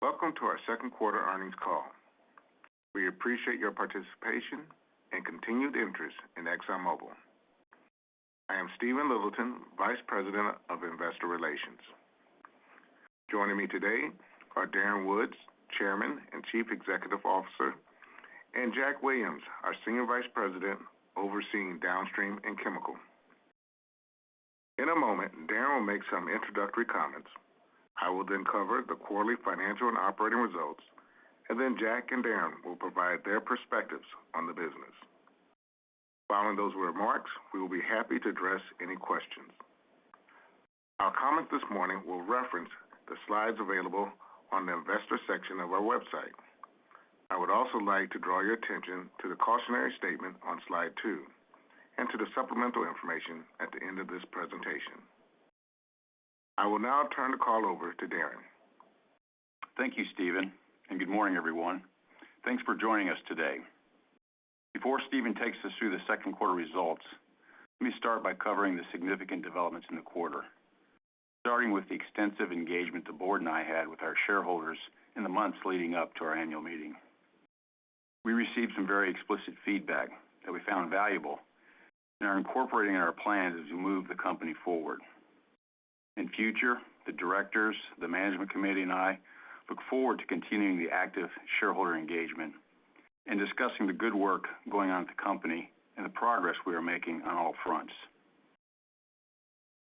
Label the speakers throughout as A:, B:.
A: Welcome to our Q2 earnings call. We appreciate your participation and continued interest in ExxonMobil. I am Stephen Littleton, Vice President of Investor Relations. Joining me today are Darren Woods, Chairman and Chief Executive Officer, and Jack Williams, our Senior Vice President overseeing Downstream and Chemical. In a moment, Darren will make some introductory comments. I will then cover the quarterly financial and operating results, and then Jack and Darren will provide their perspectives on the business. Following those remarks, we will be happy to address any questions. Our comments this morning will reference the slides available on the investor section of our website. I would also like to draw your attention to the cautionary statement on slide two, and to the supplemental information at the end of this presentation. I will now turn the call over to Darren.
B: Thank you, Stephen, and good morning, everyone. Thanks for joining us today. Before Stephen takes us through the Q2 results, let me start by covering the significant developments in the quarter, starting with the extensive engagement the Board and I had with our shareholders in the months leading up to our Annual Meeting. We received some very explicit feedback that we found valuable and are incorporating in our plans as we move the company forward. In future, the directors, the Management Committee, and I look forward to continuing the active shareholder engagement and discussing the good work going on at the company and the progress we are making on all fronts.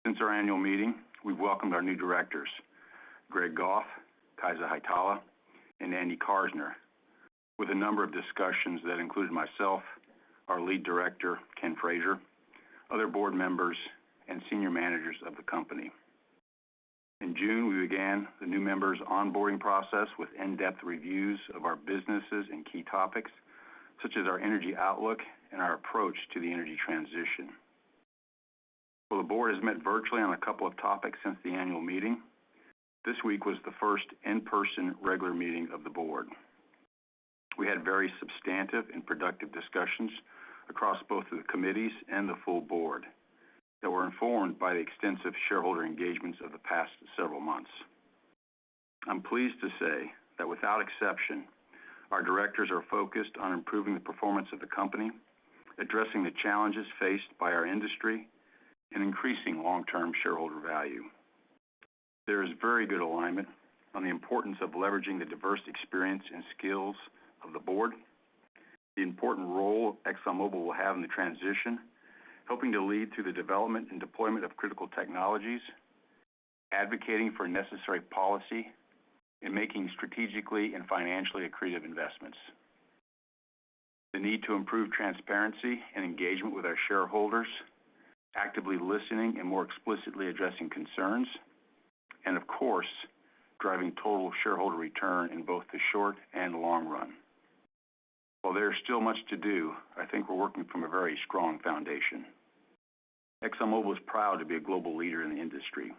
B: Since our Annual Meeting, we've welcomed our new directors, Gregory Goff, Kaisa Hietala, and Andy Karsner, with a number of discussions that include myself, our Lead Director, Kenneth Frazier, other board members, and senior managers of the company. In June, we began the new members' onboarding process with in-depth reviews of our businesses and key topics, such as our energy outlook and our approach to the energy transition. While the board has met virtually on a couple of topics since the annual meeting, this week was the first in-person regular meeting of the board. We had very substantive and productive discussions across both the committees and the full board that were informed by the extensive shareholder engagements of the past several months. I'm pleased to say that, without exception, our directors are focused on improving the performance of the company, addressing the challenges faced by our industry, and increasing long-term shareholder value. There is very good alignment on the importance of leveraging the diverse experience and skills of the board, the important role ExxonMobil will have in the transition, helping to lead to the development and deployment of critical technologies, advocating for necessary policy, and making strategically and financially accretive investments. The need to improve transparency and engagement with our shareholders, actively listening and more explicitly addressing concerns. Of course, driving total shareholder return in both the short and long run. While there is still much to do, I think we're working from a very strong foundation. ExxonMobil is proud to be a global leader in the industry.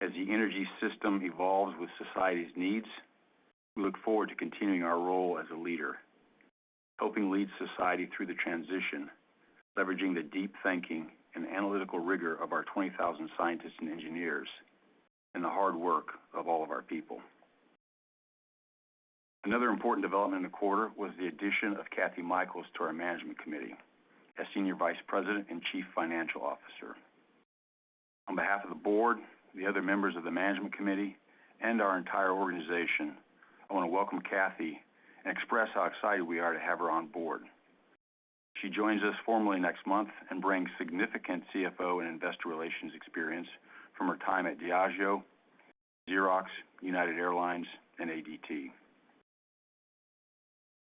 B: As the energy system evolves with society's needs, we look forward to continuing our role as a leader, helping lead society through the transition, leveraging the deep thinking and analytical rigor of our 20,000 scientists and engineers, and the hard work of all of our people. Another important development in the quarter was the addition of Kathryn Mikells to our management committee as Senior Vice President and Chief Financial Officer. On behalf of the board, the other members of the management committee, and our entire organization, I want to welcome Kathy and express how excited we are to have her on board. She joins us formally next month and brings significant CFO and investor relations experience from her time at Diageo, Xerox, United Airlines, and ADT.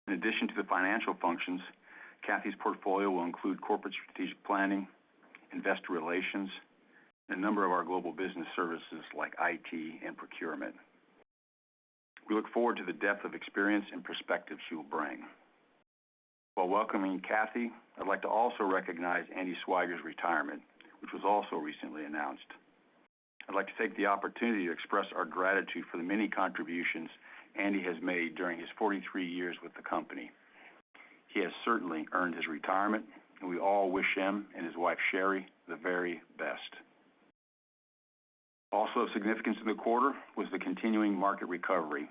B: In addition to the financial functions, Kathryn's portfolio will include corporate strategic planning, investor relations, and a number of our global business services like IT and procurement. We look forward to the depth of experience and perspective she will bring. While welcoming Kathryn, I'd like to also recognize Andrew Swiger's retirement, which was also recently announced. I'd like to take the opportunity to express our gratitude for the many contributions Andrew has made during his 43 years with the company. He has certainly earned his retirement, and we all wish him and his wife, Sherry, the very best. Of significance in the quarter was the continuing market recovery,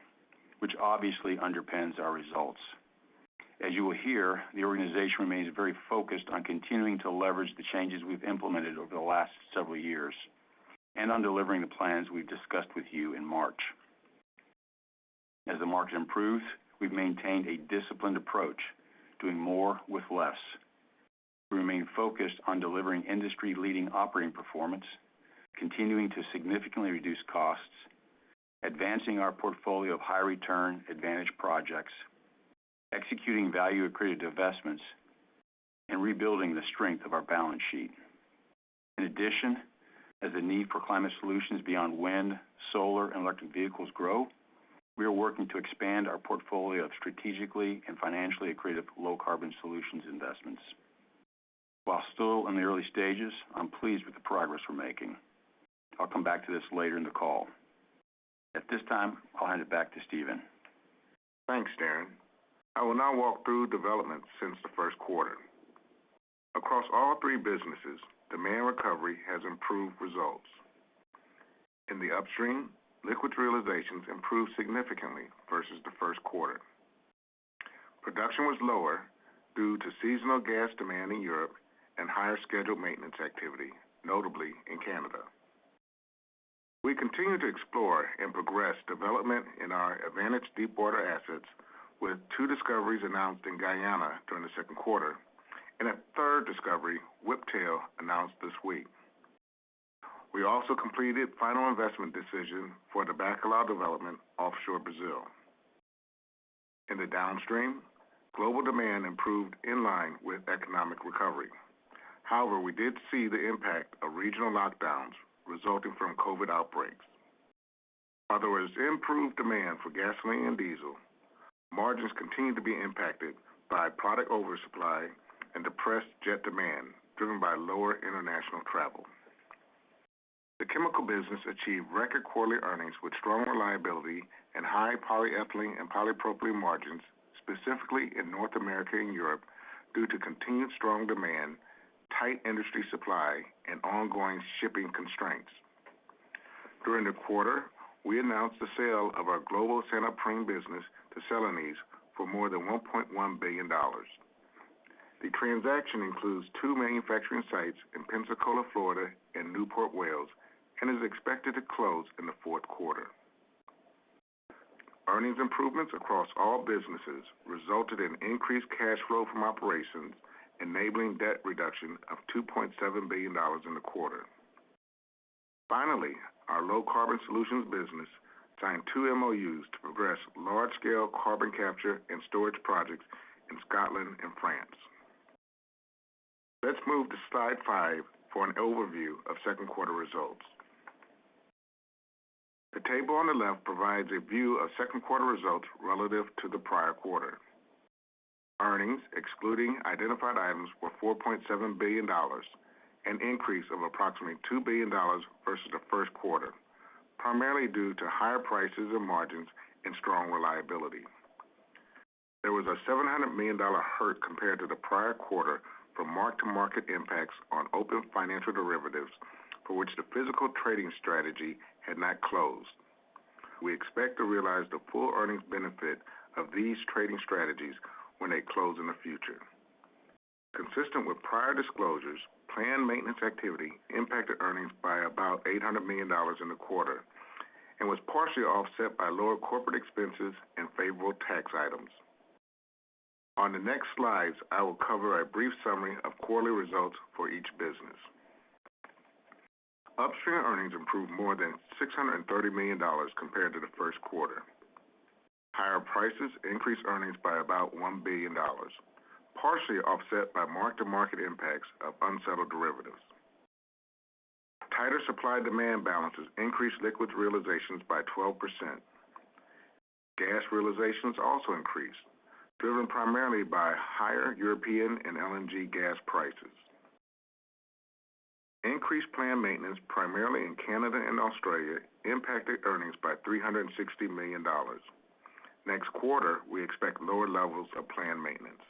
B: which obviously underpins our results. As you will hear, the organization remains very focused on continuing to leverage the changes we've implemented over the last several years and on delivering the plans we discussed with you in March. As the market improves, we've maintained a disciplined approach, doing more with less. We remain focused on delivering industry-leading operating performance, continuing to significantly reduce costs, advancing our portfolio of high-return advantage projects, executing value-accretive investments, and rebuilding the strength of our balance sheet. In addition, as the need for climate solutions beyond wind, solar, and electric vehicles grow, we are working to expand our portfolio of strategically and financially accretive Low Carbon Solutions investments. While still in the early stages, I'm pleased with the progress we're making. I'll come back to this later in the call. At this time, I'll hand it back to Stephen.
A: Thanks, Darren. I will now walk through developments since the Q1. all three businesses, demand recovery has improved results. In the Upstream, liquids realizations improved significantly versus the Q1. Production was lower due to seasonal gas demand in Europe and higher scheduled maintenance activity, notably in Canada. We continue to explore and progress development in our advantage deepwater assets with two discoveries announced in Guyana during the Q2, and a third discovery, Whiptail, announced this week. We also completed final investment decision for the Bacalhau development offshore Brazil. In the Downstream, global demand improved in line with economic recovery. However, we did see the impact of regional lockdowns resulting from COVID outbreaks. Although there was improved demand for gasoline and diesel, margins continued to be impacted by product oversupply and depressed jet demand, driven by lower international travel. The Chemical business achieved record quarterly earnings with strong reliability and high polyethylene and polypropylene margins, specifically in North America and Europe, due to continued strong demand, tight industry supply, and ongoing shipping constraints. During the quarter, we announced the sale of our global Santoprene business to Celanese for more than $1.1 billion. The transaction includes two manufacturing sites in Pensacola, Florida, and Newport, Wales, and is expected to close in the Q4. Earnings improvements across all businesses resulted in increased cash flow from operations, enabling debt reduction of $2.7 billion in the quarter. Finally, our Low Carbon Solutions business signed two MOUs to progress large-scale carbon capture and storage projects in Scotland and France. Let's move to slide five for an overview of Q2 results. The table on the left provides a view of Q2 results relative to the prior quarter. Earnings, excluding identified items, were $4.7 billion, an increase of approximately $2 billion versus the Q1, primarily due to higher prices and margins and strong reliability. There was a $700 million hurt compared to the prior quarter from mark-to-market impacts on open financial derivatives for which the physical trading strategy had not closed. We expect to realize the full earnings benefit of these trading strategies when they close in the future. Consistent with prior disclosures, planned maintenance activity impacted earnings by about $800 million in the quarter and was partially offset by lower corporate expenses and favorable tax items. On the next slides, I will cover a brief summary of quarterly results for each business. Upstream earnings improved more than $630 million compared to the Q1. Higher prices increased earnings by about $1 billion, partially offset by mark-to-market impacts of unsettled derivatives. Tighter supply-demand balances increased liquids realizations by 12%. Gas realizations also increased, driven primarily by higher European and LNG gas prices. Increased planned maintenance, primarily in Canada and Australia, impacted earnings by $360 million. Next quarter, we expect lower levels of planned maintenance.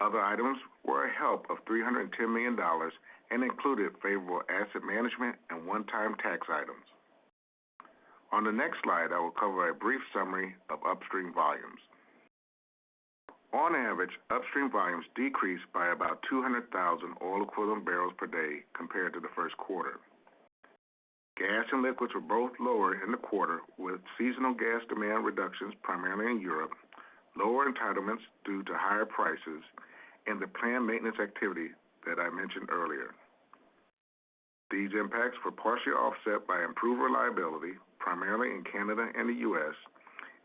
A: Other items were a help of $310 million and included favorable asset management and one-time tax items. On the next slide, I will cover a brief summary of Upstream volumes. On average, Upstream volumes decreased by about 200,000 oil equivalent barrels per day compared to the Q1. Gas and liquids were both lower in the quarter with seasonal gas demand reductions primarily in Europe, lower entitlements due to higher prices, and the planned maintenance activity that I mentioned earlier. These impacts were partially offset by improved reliability, primarily in Canada and the U.S.,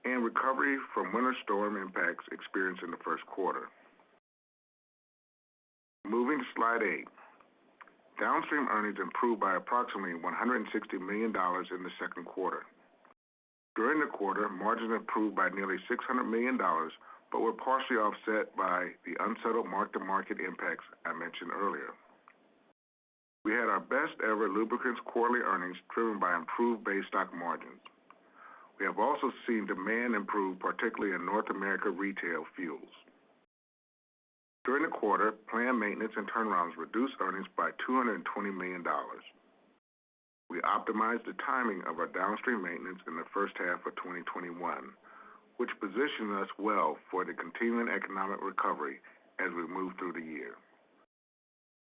A: and recovery from winter storm impacts experienced in the Q1. Moving to slide eight. Downstream earnings improved by approximately $160 million in the Q2. During the quarter, margins improved by nearly $600 million but were partially offset by the unsettled mark-to-market impacts I mentioned earlier. We had our best-ever lubricants quarterly earnings driven by improved base stock margins. We have also seen demand improve, particularly in North America retail fuels. During the quarter, planned maintenance and turnarounds reduced earnings by $220 million. We optimized the timing of our Downstream maintenance in the H1 of 2021, which positioned us well for the continuing economic recovery as we move through the year.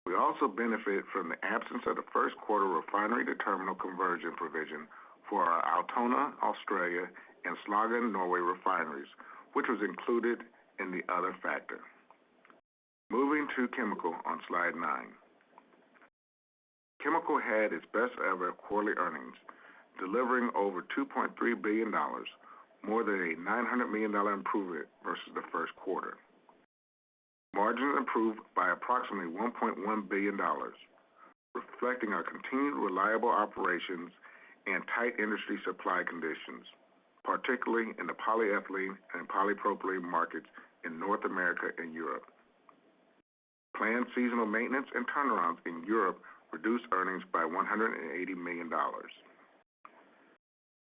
A: We also benefit from the absence of the Q1 refinery-to-terminal conversion provision for our Altona, Australia, and Slagen, Norway refineries, which was included in the other factor. Moving to Chemical on slide nine. Chemical had its best-ever quarterly earnings, delivering over $2.3 billion, more than a $900 million improvement versus the Q1. Margins improved by approximately $1.1 billion, reflecting our continued reliable operations and tight industry supply conditions, particularly in the polyethylene and polypropylene markets in North America and Europe. Planned seasonal maintenance and turnarounds in Europe reduced earnings by $180 million.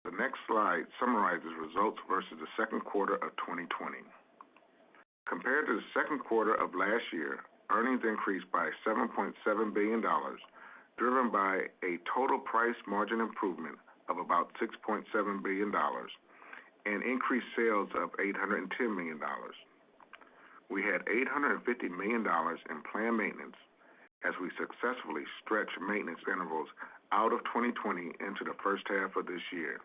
A: The next slide summarizes results versus the Q2 of 2020. Compared to the Q2 of last year, earnings increased by $7.7 billion, driven by a total price margin improvement of about $6.7 billion and increased sales of $810 million. We had $850 million in planned maintenance as we successfully stretched maintenance intervals out of 2020 into the H1 of this year.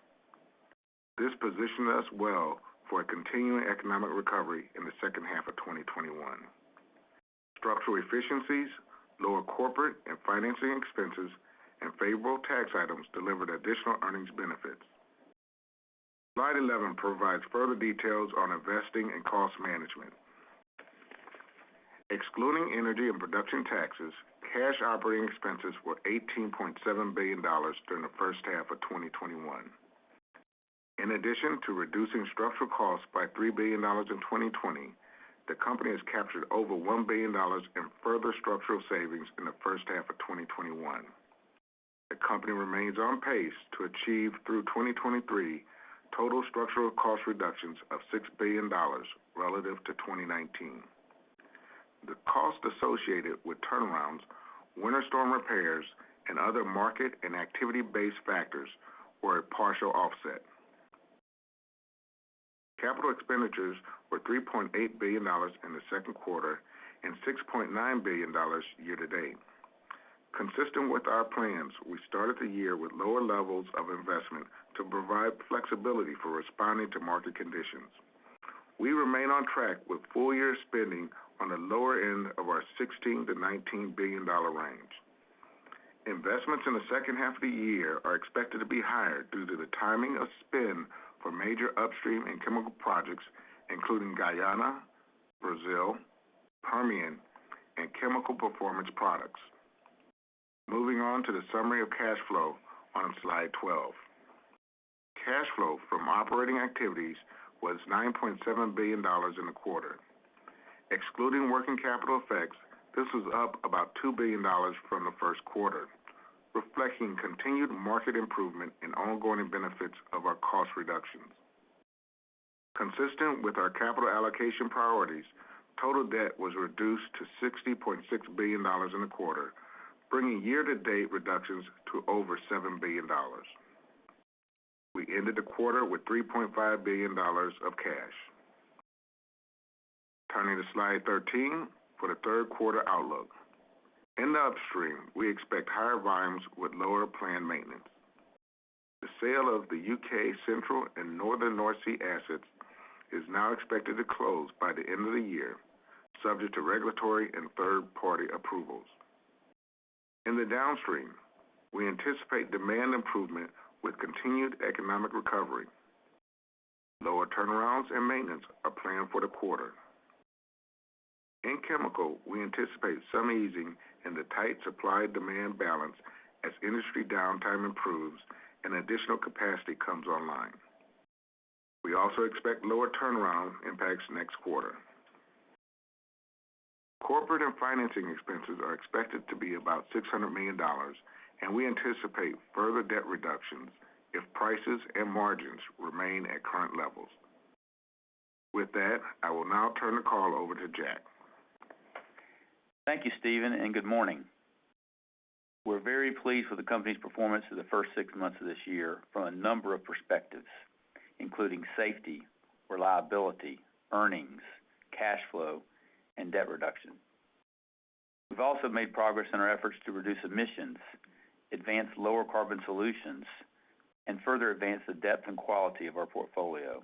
A: This positioned us well for a continuing economic recovery in the H2 of 2021. Structural efficiencies, lower corporate and financing expenses, and favorable tax items delivered additional earnings benefits. Slide 11 provides further details on investing and cost management. Excluding energy and production taxes, cash operating expenses were $18.7 billion during the H1 of 2021. In addition to reducing structural costs by $3 billion in 2020, the company has captured over $1 billion in further structural savings in the H1 of 2021. The company remains on pace to achieve, through 2023, total structural cost reductions of $6 billion relative to 2019. The cost associated with turnarounds, Winter Storm repairs, and other market and activity-based factors were a partial offset. Capital expenditures were $3.8 billion in the Q2 and $6.9 billion year-to-date. Consistent with our plans, we started the year with lower levels of investment to provide flexibility for responding to market conditions. We remain on track with full-year spending on the lower end of our $16 billion-$19 billion range. Investments in the H2 of the year are expected to be higher due to the timing of spend for major upstream and chemical projects, including Guyana, Brazil, Permian, and Chemical Performance Products. Moving on to the summary of cash flow on slide 12. Cash flow from operating activities was $9.7 billion in the quarter. Excluding working capital effects, this was up about $2 billion from the Q1, reflecting continued market improvement and ongoing benefits of our cost reductions. Consistent with our capital allocation priorities, total debt was reduced to $60.6 billion in the quarter, bringing year-to-date reductions to over $7 billion. We ended the quarter with $3.5 billion of cash. Turning to slide 13 for the Q3 outlook. In the upstream, we expect higher volumes with lower planned maintenance. The sale of the U.K. Central and Northern North Sea assets is now expected to close by the end of the year, subject to regulatory and third-party approvals. In the downstream, we anticipate demand improvement with continued economic recovery. Lower turnarounds and maintenance are planned for the quarter. In chemical, we anticipate some easing in the tight supply-demand balance as industry downtime improves and additional capacity comes online. We also expect lower turnaround impacts next quarter. Corporate and financing expenses are expected to be about $600 million, and we anticipate further debt reductions if prices and margins remain at current levels. With that, I will now turn the call over to Jack.
C: Thank you, Stephen, and good morning. We're very pleased with the company's performance for the first six months of this year from a number of perspectives, including safety, reliability, earnings, cash flow, and debt reduction. We've also made progress in our efforts to reduce emissions, advance Low Carbon Solutions, and further advance the depth and quality of our portfolio.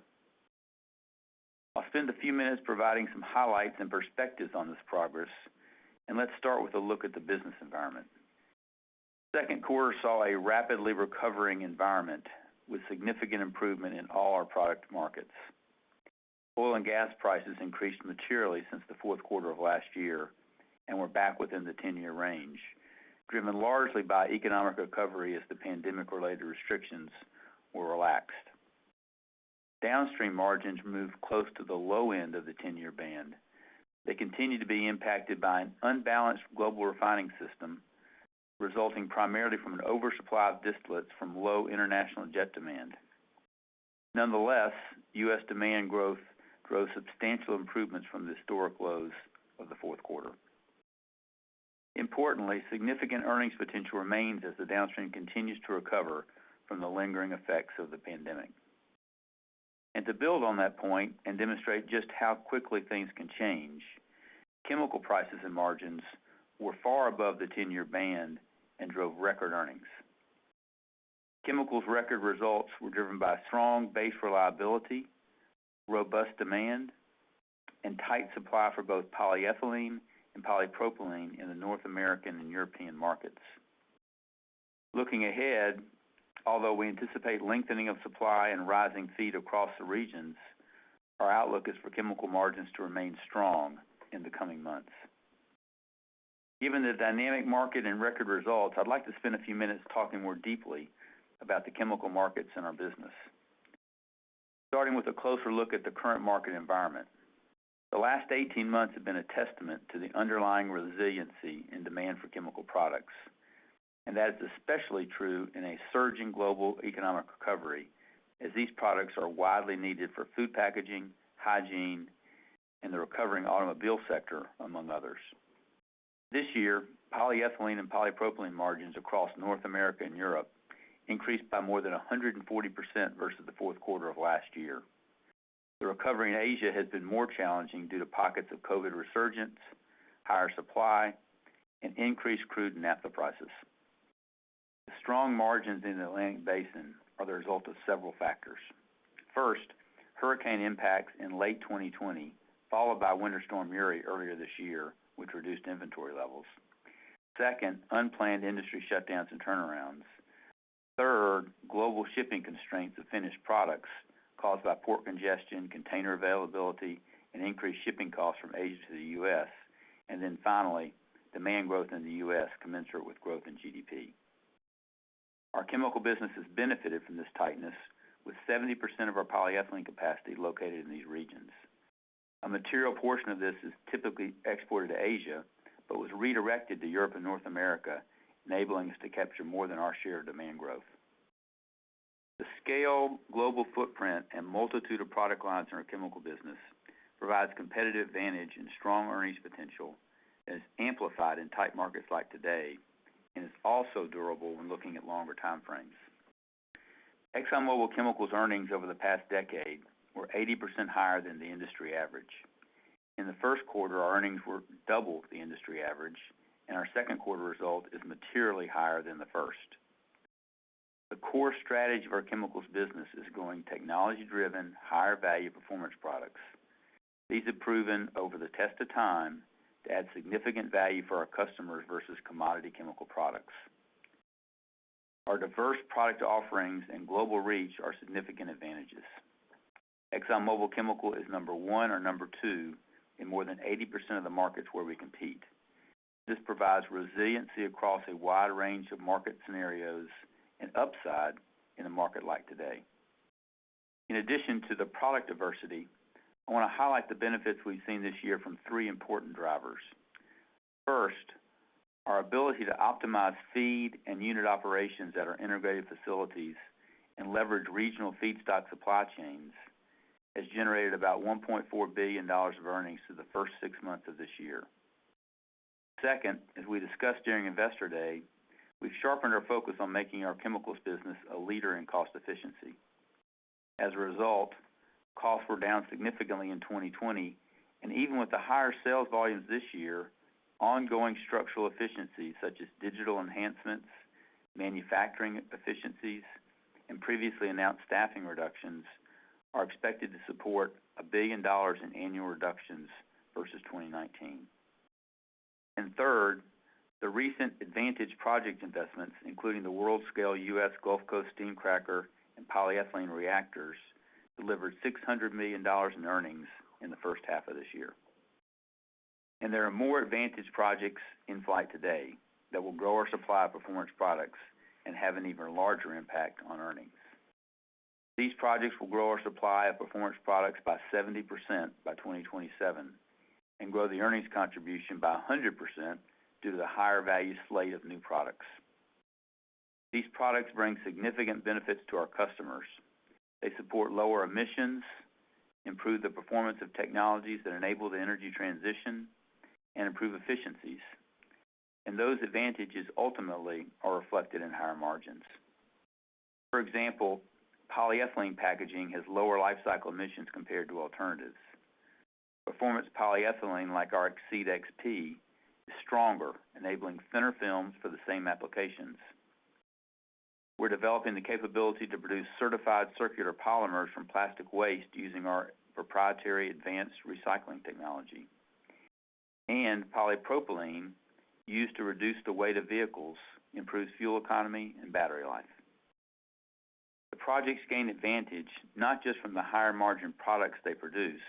C: I'll spend a few minutes providing some highlights and perspectives on this progress, and let's start with a look at the business environment. Q2 saw a rapidly recovering environment with significant improvement in all our product markets. Oil and gas prices increased materially since the Q4 of last year and were back within the 10-year range, driven largely by economic recovery as the pandemic-related restrictions were relaxed. Downstream margins moved close to the low end of the 10-year band. They continued to be impacted by an unbalanced global refining system, resulting primarily from an oversupply of distillates from low international jet demand. Nonetheless, U.S. demand growth drove substantial improvements from the historic lows of the Q4. Importantly, significant earnings potential remains as the downstream continues to recover from the lingering effects of the pandemic. To build on that point and demonstrate just how quickly things can change, chemical prices and margins were far above the 10-year band and drove record earnings. Chemicals' record results were driven by strong base reliability, robust demand, and tight supply for both polyethylene and polypropylene in the North American and European markets. Looking ahead, although we anticipate lengthening of supply and rising feed across the regions, our outlook is for chemical margins to remain strong in the coming months. Given the dynamic market and record results, I'd like to spend a few minutes talking more deeply about the chemical markets and our business. Starting with a closer look at the current market environment. The last 18 months have been a testament to the underlying resiliency and demand for chemical products. That is especially true in a surging global economic recovery, as these products are widely needed for food packaging, hygiene, and the recovering automobile sector, among others. This year, polyethylene and polypropylene margins across North America and Europe increased by more than 140% versus the Q4 of last year. The recovery in Asia has been more challenging due to pockets of COVID resurgence, higher supply, and increased crude and naphtha prices. The strong margins in the Atlantic Basin are the result of several factors. First, hurricane impacts in late 2020, followed by Winter Storm Uri earlier this year, which reduced inventory levels. Second, unplanned industry shutdowns and turnarounds. Third, global shipping constraints of finished products caused by port congestion, container availability, and increased shipping costs from Asia to the U.S. Finally, demand growth in the U.S. commensurate with growth in GDP. Our chemical business has benefited from this tightness with 70% of our polyethylene capacity located in these regions. A material portion of this is typically exported to Asia, but was redirected to Europe and North America, enabling us to capture more than our share of demand growth. The scale, global footprint, and multitude of product lines in our chemical business provides competitive advantage and strong earnings potential that is amplified in tight markets like today and is also durable when looking at longer time frames. ExxonMobil Chemical's earnings over the past decade were 80% higher than the industry average. In the Q1, our earnings were double the industry average, and our Q2 result is materially higher than the first. The core strategy of our chemicals business is growing technology-driven, higher-value performance products. These have proven over the test of time to add significant value for our customers versus commodity chemical products. Our diverse product offerings and global reach are significant advantages. ExxonMobil Chemical is number one or number two in more than 80% of the markets where we compete. This provides resiliency across a wide range of market scenarios and upside in a market like today. In addition to the product diversity, I wanna highlight the benefits we've seen this year from three important drivers. First, our ability to optimize feed and unit operations at our integrated facilities and leverage regional feedstock supply chains has generated about $1.4 billion of earnings through the first six months of this year. Second, as we discussed during Investor Day, we've sharpened our focus on making our chemicals business a leader in cost efficiency. As a result, costs were down significantly in 2020, and even with the higher sales volumes this year, ongoing structural efficiencies such as digital enhancements, manufacturing efficiencies, and previously announced staffing reductions, are expected to support $1 billion in annual reductions versus 2019. Third, the recent advantage project investments, including the world-scale U.S. Gulf Coast steam cracker and polyethylene reactors, delivered $600 million in earnings in the H1 of this year. There are more advantage projects in flight today that will grow our supply of performance products and have an even larger impact on earnings. These projects will grow our supply of performance products by 70% by 2027 and grow the earnings contribution by 100% due to the higher value slate of new products. These products bring significant benefits to our customers. They support lower emissions, improve the performance of technologies that enable the energy transition, and improve efficiencies. Those advantages ultimately are reflected in higher margins. For example, polyethylene packaging has lower lifecycle emissions compared to alternatives. Performance polyethylene like our Exceed XP is stronger, enabling thinner films for the same applications. We're developing the capability to produce certified circular polymers from plastic waste using our proprietary advanced recycling technology. Polypropylene used to reduce the weight of vehicles improves fuel economy and battery life. The projects gain advantage, not just from the higher-margin products they produce,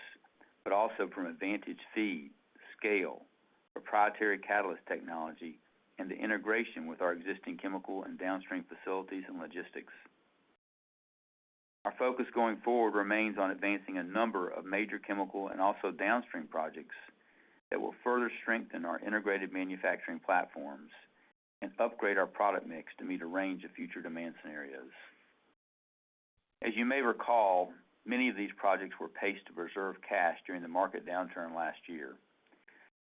C: but also from advantage feed, scale, proprietary catalyst technology, and the integration with our existing chemical and downstream facilities and logistics. Our focus going forward remains on advancing a number of major chemical and also downstream projects that will further strengthen our integrated manufacturing platforms and upgrade our product mix to meet a range of future demand scenarios. As you may recall, many of these projects were paced to preserve cash during the market downturn last year.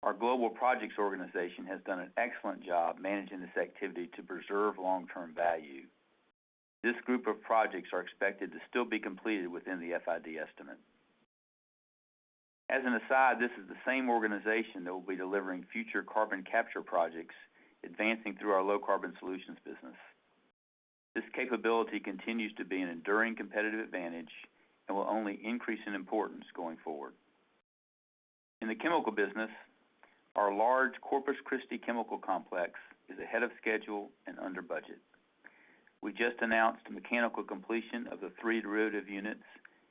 C: Our global projects organization has done an excellent job managing this activity to preserve long-term value. This group of projects are expected to still be completed within the FID estimate. As an aside, this is the same organization that will be delivering future carbon capture projects advancing through our Low Carbon Solutions business. This capability continues to be an enduring competitive advantage and will only increase in importance going forward. In the chemical business, our large Corpus Christi chemical complex is ahead of schedule and under budget. We just announced the mechanical completion of the three derivative units,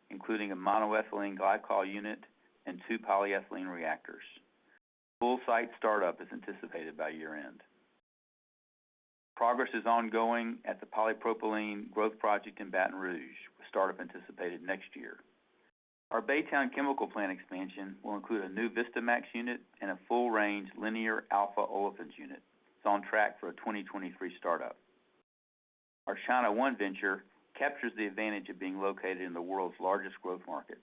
C: including a monoethylene glycol unit and two polyethylene reactors. Full site startup is anticipated by year-end. Progress is ongoing at the polypropylene growth project in Baton Rouge, with startup anticipated next year. Our Baytown chemical plant expansion will include a new Vistamaxx unit and a full-range linear alpha olefins unit. It's on track for a 2023 startup. Our China One venture captures the advantage of being located in the world's largest growth market.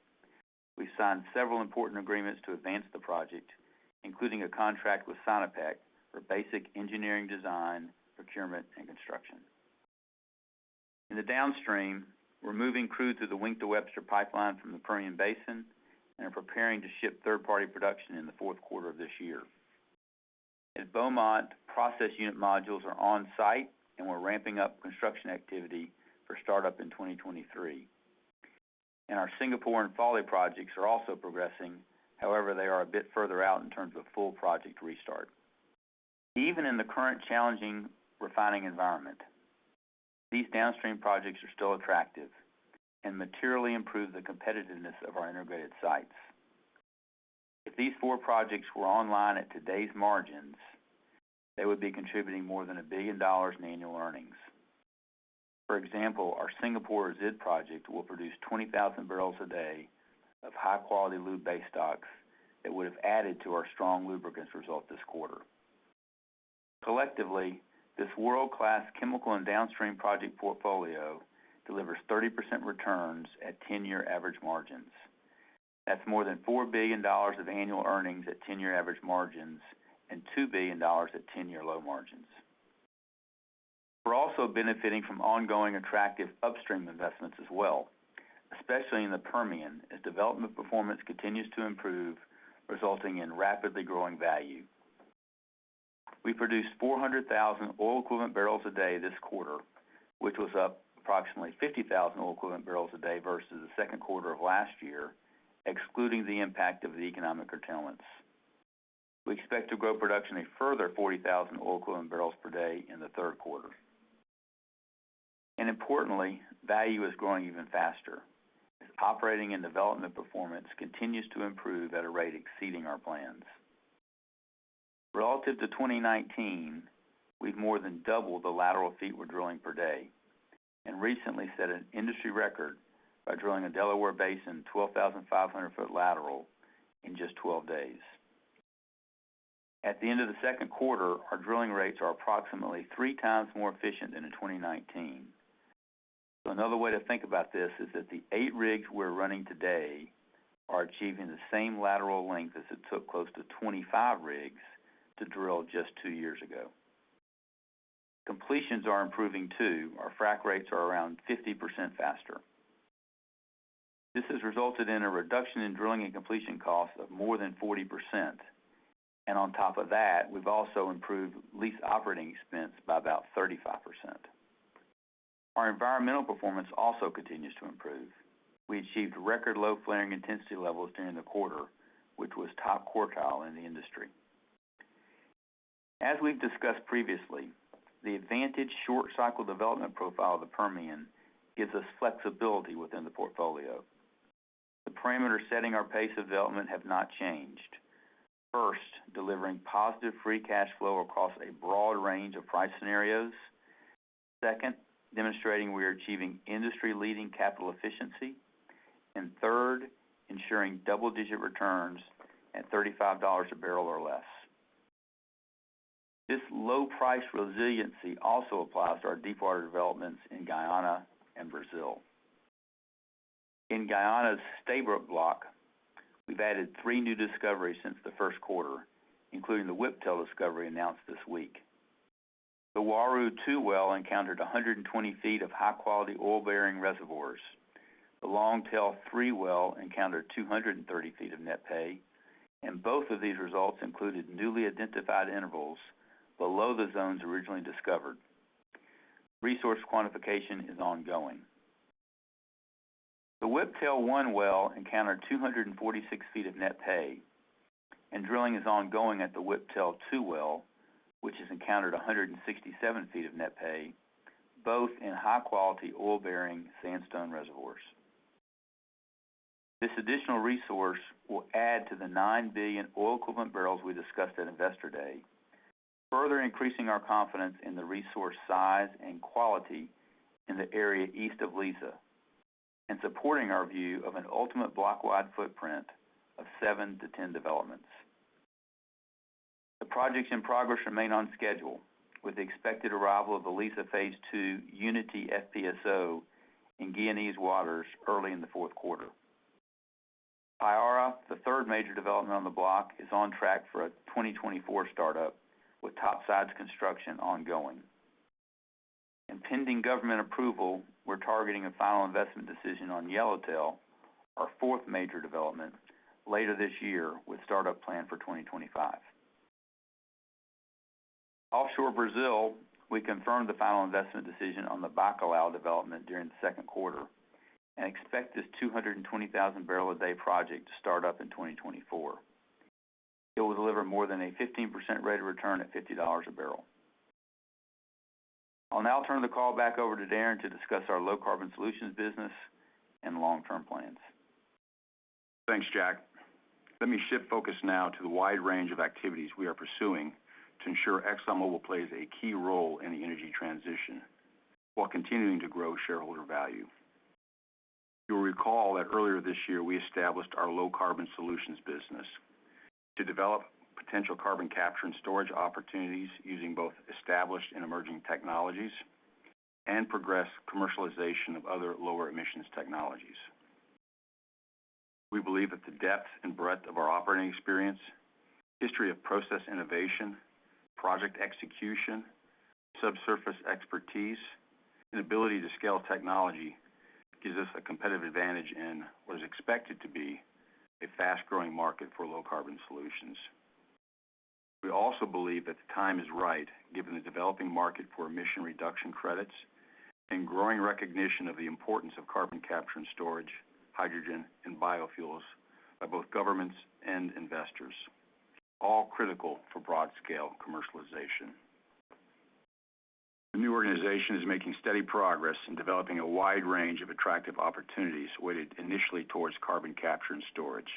C: We signed several important agreements to advance the project, including a contract with Sinopec for basic engineering design, procurement, and construction. In the downstream, we're moving crude through the Wink-to-Webster pipeline from the Permian Basin and are preparing to ship third-party production in the Q4 of this year. At Beaumont, process unit modules are on-site. We're ramping up construction activity for startup in 2023. Our Singapore and Fawley projects are also progressing. However, they are a bit further out in terms of full project restart. Even in the current challenging refining environment, these downstream projects are still attractive and materially improve the competitiveness of our integrated sites. If these four projects were online at today's margins, they would be contributing more than $1 billion in annual earnings. For example, our Singapore Resid Upgrade Project will produce 20,000 barrels a day of high-quality lube base stocks that would have added to our strong lubricants result this quarter. Collectively, this world-class chemical and downstream project portfolio delivers 30% returns at 10-year average margins. That's more than $4 billion of annual earnings at 10-year average margins and $2 billion at 10-year low margins. We're also benefiting from ongoing attractive upstream investments as well, especially in the Permian, as development performance continues to improve, resulting in rapidly growing value. We produced 400,000 oil equivalent barrels a day this quarter, which was up approximately 50,000 oil equivalent barrels a day versus the Q2 of last year, excluding the impact of the economic curtailments. We expect to grow production a further 40,000 oil equivalent barrels per day in the Q3. Importantly, value is growing even faster as operating and development performance continues to improve at a rate exceeding our plans. Relative to 2019, we've more than doubled the lateral feet we're drilling per day and recently set an industry record by drilling a Delaware Basin 12,500-foot lateral in just 12 days. At the end of the Q2, our drilling rates are approximately three times more efficient than in 2019. Another way to think about this is that the eight rigs we're running today are achieving the same lateral length as it took close to 25 rigs to drill just two years ago. Completions are improving, too. Our frack rates are around 50% faster. This has resulted in a reduction in drilling and completion costs of more than 40%. On top of that, we've also improved lease operating expense by about 35%. Our environmental performance also continues to improve. We achieved record low flaring intensity levels during the quarter, which was top quartile in the industry. As we've discussed previously, the advantaged short-cycle development profile of the Permian gives us flexibility within the portfolio. The parameters setting our pace of development have not changed. First, delivering positive free cash flow across a broad range of price scenarios. Second, demonstrating we are achieving industry-leading capital efficiency. Third, ensuring double-digit returns at $35 a barrel or less. This low-price resiliency also applies to our deepwater developments in Guyana and Brazil. In Guyana's Stabroek Block, we've added three new discoveries since the Q1, including the Whiptail discovery announced this week. The Uaru-2 well encountered 120 feet of high-quality oil-bearing reservoirs. The Longtail-3 well encountered 230 feet of net pay, and both of these results included newly identified intervals below the zones originally discovered. Resource quantification is ongoing. The Whiptail-1 well encountered 246 feet of net pay, and drilling is ongoing at the Whiptail-2 well, which has encountered 167 feet of net pay, both in high-quality oil-bearing sandstone reservoirs. This additional resource will add to the 9 billion oil equivalent barrels we discussed at Investor Day, further increasing our confidence in the resource size and quality in the area east of Liza and supporting our view of an ultimate blockwide footprint of 7-10 developments. The projects in progress remain on schedule with the expected arrival of the Liza phase II Unity FPSO in Guyanese waters early in the Q4. Payara, the third major development on the block, is on track for a 2024 startup with topsides construction ongoing. Pending government approval, we're targeting a final investment decision on Yellowtail, our fourth major development, later this year with startup planned for 2025. Offshore Brazil, we confirmed the final investment decision on the Bacalhau development during the Q2 and expect this 220,000-barrel-a-day project to start up in 2024. It will deliver more than a 15% rate of return at $50 a barrel. I'll now turn the call back over to Darren to discuss our Low Carbon Solutions business and long-term plans.
B: Thanks, Jack. Let me shift focus now to the wide range of activities we are pursuing to ensure ExxonMobil plays a key role in the energy transition while continuing to grow shareholder value. You'll recall that earlier this year, we established our Low Carbon Solutions business to develop potential carbon capture and storage opportunities using both established and emerging technologies and progress commercialization of other lower emissions technologies. We believe that the depth and breadth of our operating experience, history of process innovation, project execution, subsurface expertise, and ability to scale technology gives us a competitive advantage in what is expected to be a fast-growing market for Low Carbon Solutions. We also believe that the time is right given the developing market for emission reduction credits and growing recognition of the importance of carbon capture and storage, hydrogen, and biofuels by both governments and investors, all critical for broad-scale commercialization. The new organization is making steady progress in developing a wide range of attractive opportunities weighted initially towards carbon capture and storage.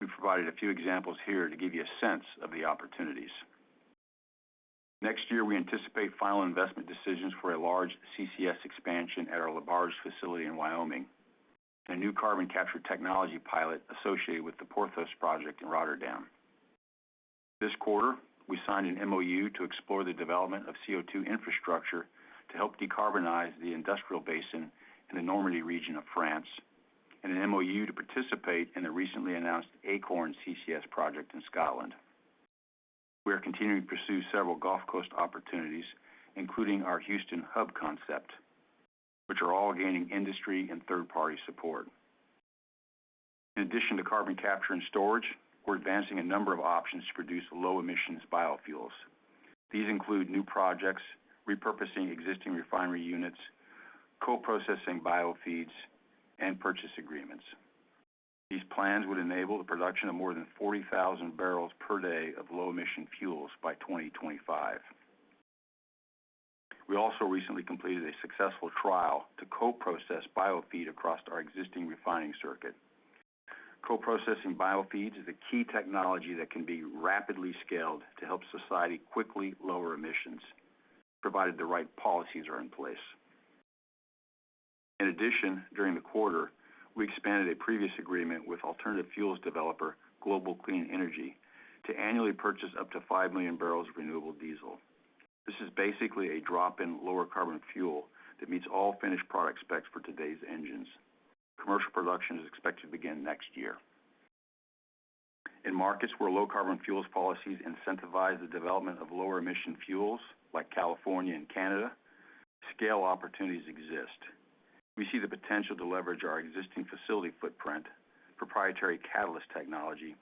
B: We've provided a few examples here to give you a sense of the opportunities. Next year, we anticipate final investment decisions for a large CCS expansion at our LaBarge facility in Wyoming and a new carbon capture technology pilot associated with the Porthos project in Rotterdam. This quarter, we signed an MOU to explore the development of CO2 infrastructure to help decarbonize the industrial basin in the Normandy region of France, and an MOU to participate in the recently announced Acorn CCS project in Scotland. We are continuing to pursue several Gulf Coast opportunities, including our Houston Hub concept, which are all gaining industry and third-party support. In addition to carbon capture and storage, we're advancing a number of options to produce low-emissions biofuels. These include new projects, repurposing existing refinery units, co-processing biofeeds, and purchase agreements. These plans would enable the production of more than 40,000 barrels per day of low-emission fuels by 2025. We also recently completed a successful trial to co-process biofeed across our existing refining circuit. Co-processing biofeeds is a key technology that can be rapidly scaled to help society quickly lower emissions, provided the right policies are in place. In addition, during the quarter, we expanded a previous agreement with alternative fuels developer, Global Clean Energy, to annually purchase up to 5 million barrels of renewable diesel. This is basically a drop-in lower carbon fuel that meets all finished product specs for today's engines. Commercial production is expected to begin next year. In markets where low carbon fuels policies incentivize the development of lower-emission fuels, like California and Canada, scale opportunities exist. We see the potential to leverage our existing facility footprint, proprietary catalyst technology,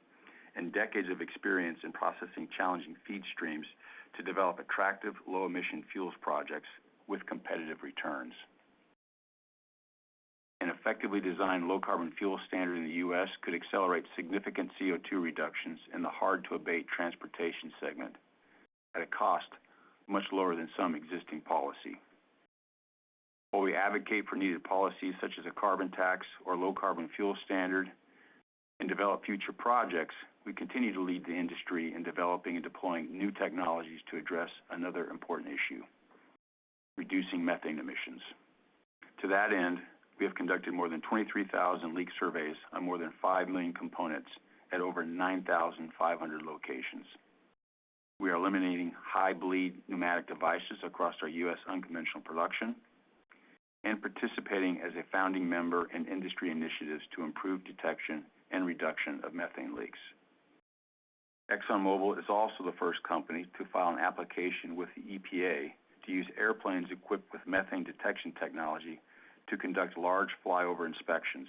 B: and decades of experience in processing challenging feed streams to develop attractive low-emission fuels projects with competitive returns. An effectively designed Low Carbon Fuel Standard in the U.S. could accelerate significant CO2 reductions in the hard-to-abate transportation segment at a cost much lower than some existing policy. While we advocate for needed policies such as a carbon tax or Low Carbon Fuel Standard and develop future projects, we continue to lead the industry in developing and deploying new technologies to address another important issue, reducing methane emissions. To that end, we have conducted more than 23,000 leak surveys on more than five million components at over 9,500 locations. We are eliminating high-bleed pneumatic devices across our U.S. unconventional production and participating as a founding member in industry initiatives to improve detection and reduction of methane leaks. ExxonMobil is also the first company to file an application with the EPA to use airplanes equipped with methane detection technology to conduct large flyover inspections.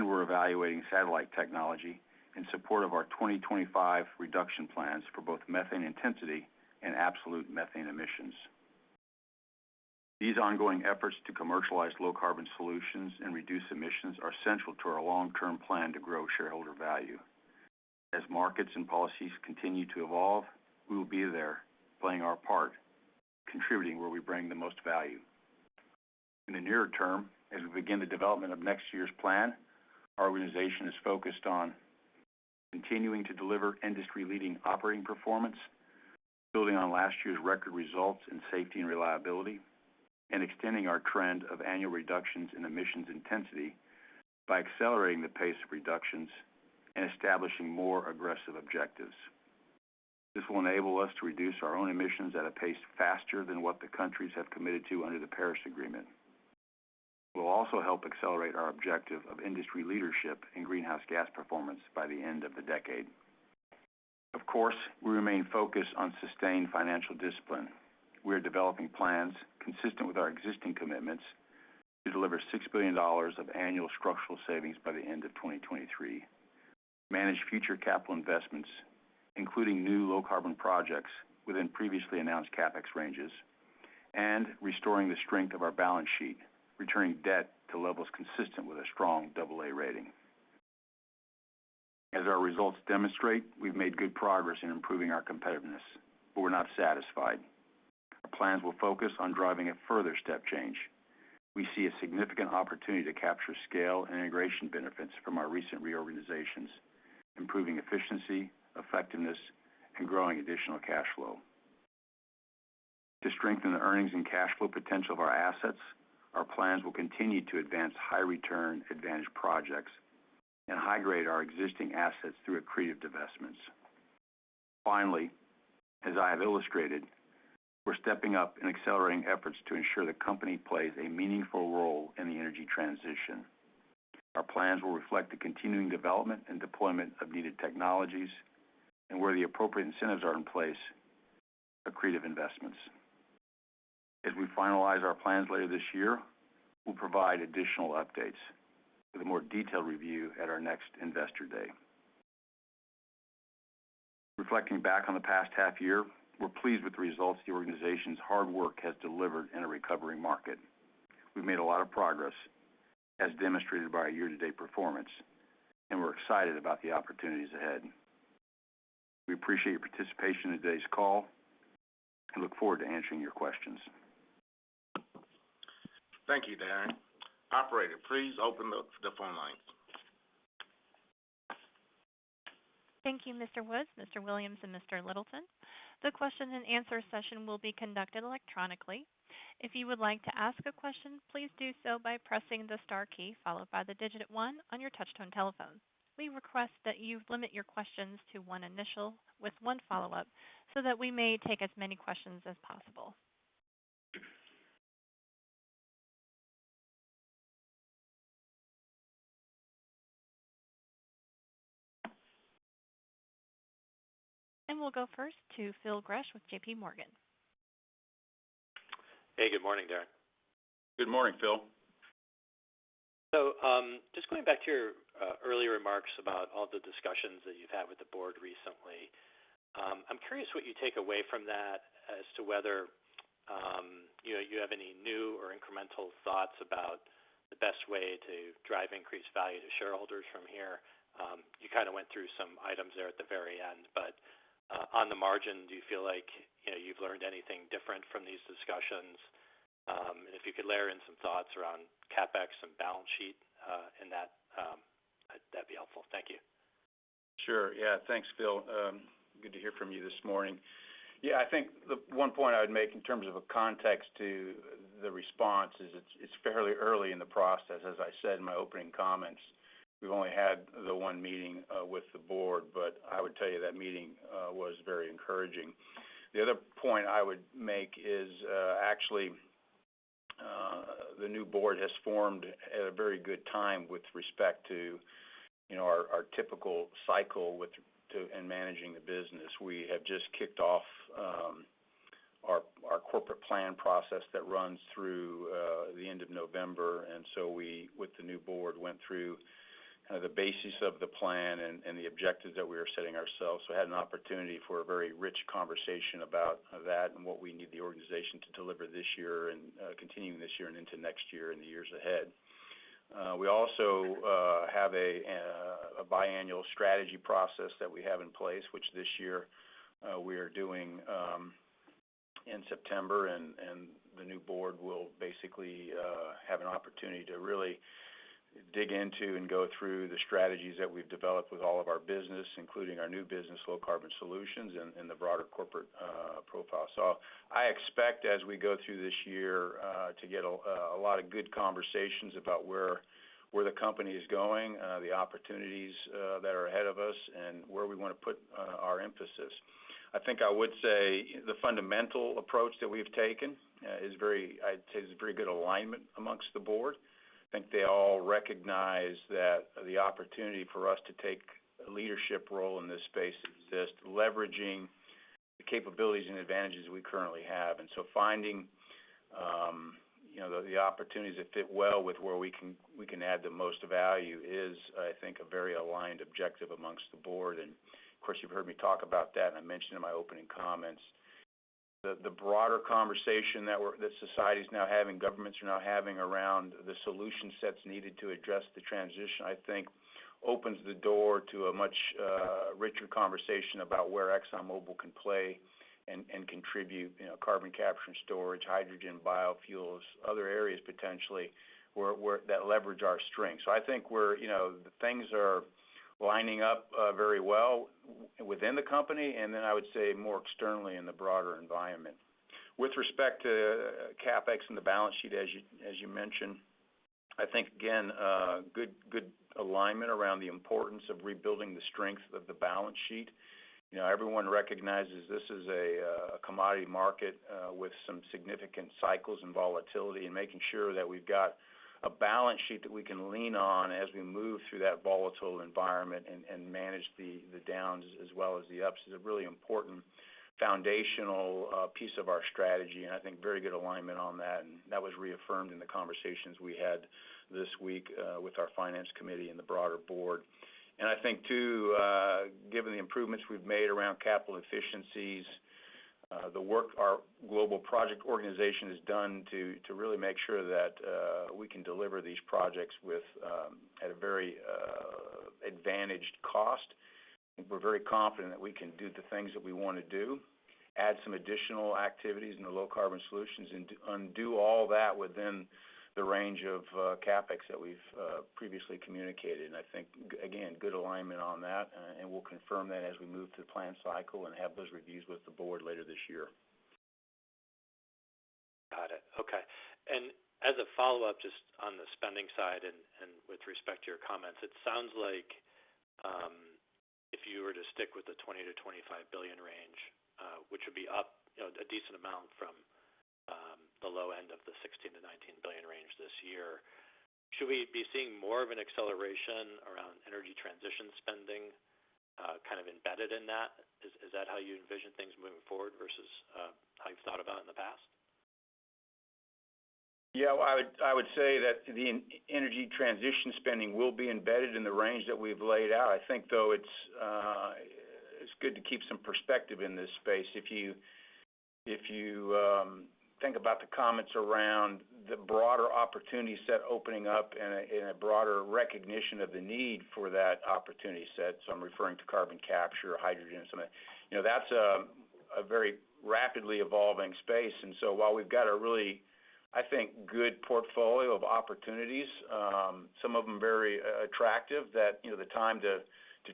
B: We're evaluating satellite technology in support of our 2025 reduction plans for both methane intensity and absolute methane emissions. These ongoing efforts to commercialize Low Carbon Solutions and reduce emissions are central to our long-term plan to grow shareholder value. As markets and policies continue to evolve, we will be there playing our part, contributing where we bring the most value. In the nearer term, as we begin the development of next year's plan, our organization is focused on continuing to deliver industry-leading operating performance, building on last year's record results in safety and reliability, and extending our trend of annual reductions in emissions intensity by accelerating the pace of reductions and establishing more aggressive objectives. This will enable us to reduce our own emissions at a pace faster than what the countries have committed to under the Paris Agreement. It will also help accelerate our objective of industry leadership in greenhouse gas performance by the end of the decade. Of course, we remain focused on sustained financial discipline. We are developing plans consistent with our existing commitments to deliver $6 billion of annual structural savings by the end of 2023, manage future capital investments, including new low-carbon projects within previously announced CapEx ranges, and restoring the strength of our balance sheet, returning debt to levels consistent with a strong double A rating. As our results demonstrate, we've made good progress in improving our competitiveness, but we're not satisfied. Our plans will focus on driving a further step change. We see a significant opportunity to capture scale and integration benefits from our recent reorganizations, improving efficiency, effectiveness, and growing additional cash flow. To strengthen the earnings and cash flow potential of our assets, our plans will continue to advance high-return advantage projects and high-grade our existing assets through accretive divestments. Finally, as I have illustrated, we're stepping up and accelerating efforts to ensure the company plays a meaningful role in the energy transition. Our plans will reflect the continuing development and deployment of needed technologies, and where the appropriate incentives are in place, accretive investments. As we finalize our plans later this year, we'll provide additional updates with a more detailed review at our next Investor Day. Reflecting back on the past half-year, we're pleased with the results the organization's hard work has delivered in a recovering market. We've made a lot of progress, as demonstrated by our year-to-date performance, and we're excited about the opportunities ahead. We appreciate your participation in today's call and look forward to answering your questions.
A: Thank you, Darren. Operator, please open up the phone lines.
D: Thank you, Mr. Woods, Mr. Williams, and Mr. Littleton. The question-and-answer session will be conducted electronically. If you would like to ask a question, please do so by pressing the star key followed by the digit one on your touch-tone telephone. We request that you limit your questions to one initial with one follow-up so that we may take as many questions as possible. We'll go first to Phil Gresh with J.P. Morgan.
E: Hey, good morning, Darren.
B: Good morning, Phil.
E: Just going back to your earlier remarks about all the discussions that you've had with the board recently, I'm curious what you take away from that as to whether you have any new or incremental thoughts about the best way to drive increased value to shareholders from here. You kind of went through some items there at the very end, but on the margin, do you feel like you've learned anything different from these discussions? If you could layer in some thoughts around CapEx and balance sheet in that'd be helpful. Thank you.
B: Sure. Thanks, Phil. Good to hear from you this morning. I think the one point I would make in terms of a context to the response is it's fairly early in the process. As I said in my opening comments, we've only had the one meeting with the board. I would tell you that meeting was very encouraging. The other point I would make is actually the new board has formed at a very good time with respect to our typical cycle in managing the business. We have just kicked off our corporate plan process that runs through the end of November. We, with the new board, went through the basis of the plan and the objectives that we were setting ourselves. Had an opportunity for a very rich conversation about that and what we need the organization to deliver this year and continuing this year and into next year and the years ahead. We also have a biannual strategy process that we have in place, which this year we are doing in September, and the new board will basically have an opportunity to really dig into and go through the strategies that we've developed with all of our business, including our new business, Low Carbon Solutions, and the broader corporate profile. I expect as we go through this year to get a lot of good conversations about where the company is going, the opportunities that are ahead of us, and where we want to put our emphasis. I think I would say the fundamental approach that we've taken is very good alignment amongst the board. I think they all recognize that the opportunity for us to take a leadership role in this space exists, leveraging the capabilities and advantages we currently have. So finding the opportunities that fit well with where we can add the most value is, I think, a very aligned objective amongst the board. Of course, you've heard me talk about that, and I mentioned in my opening comments the broader conversation that society's now having, governments are now having around the solution sets needed to address the transition, I think opens the door to a much richer conversation about where ExxonMobil can play and contribute carbon capture and storage, hydrogen, biofuels, other areas potentially that leverage our strengths. I think things are lining up very well within the company, and then I would say more externally in the broader environment. With respect to CapEx and the balance sheet, as you mentioned, I think, again, good alignment around the importance of rebuilding the strength of the balance sheet. Everyone recognizes this is a commodity market with some significant cycles and volatility, making sure that we've got a balance sheet that we can lean on as we move through that volatile environment and manage the downs as well as the ups is a really important foundational piece of our strategy. I think very good alignment on that, and that was reaffirmed in the conversations we had this week with our finance committee and the broader board. I think too, the improvements we've made around capital efficiencies, the work our global project organization has done to really make sure that we can deliver these projects at a very advantaged cost. We're very confident that we can do the things that we want to do, add some additional activities in the Low Carbon Solutions, and undo all that within the range of CapEx that we've previously communicated. I think, again, good alignment on that, and we'll confirm that as we move to the plan cycle and have those reviews with the board later this year.
E: Got it. Okay. As a follow-up, just on the spending side and with respect to your comments, it sounds like if you were to stick with the $20 billion-$25 billion range, which would be up a decent amount from the low end of the $16 billion-$19 billion range this year, should we be seeing more of an acceleration around energy transition spending kind of embedded in that? Is that how you envision things moving forward versus how you've thought about it in the past?
B: I would say that the energy transition spending will be embedded in the range that we've laid out. I think, though, it's good to keep some perspective in this space. If you think about the comments around the broader opportunity set opening up and a broader recognition of the need for that opportunity set, so I'm referring to carbon capture, hydrogen, some of that. That's a very rapidly evolving space. While we've got a really, I think, good portfolio of opportunities some of them very attractive, that the time to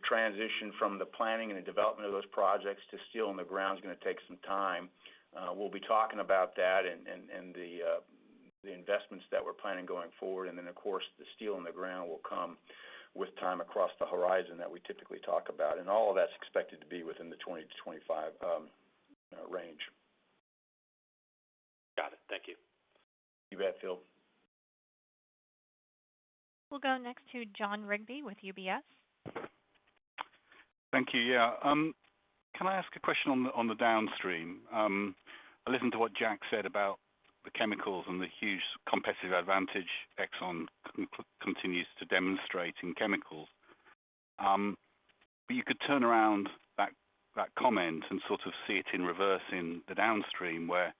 B: transition from the planning and the development of those projects to steel in the ground is going to take some time. We'll be talking about that and the investments that we're planning going forward, of course, the steel in the ground will come with time across the horizon that we typically talk about. All of that's expected to be within the $20-$25 range.
E: Got it. Thank you.
B: You bet, Phil.
D: We'll go next to Jon Rigby with UBS.
F: Thank you. Yeah. Can I ask a question on the downstream? I listened to what Jack said about the chemicals and the huge competitive advantage Exxon continues to demonstrate in chemicals. You could turn around that comment and sort of see it in reverse in the downstream, where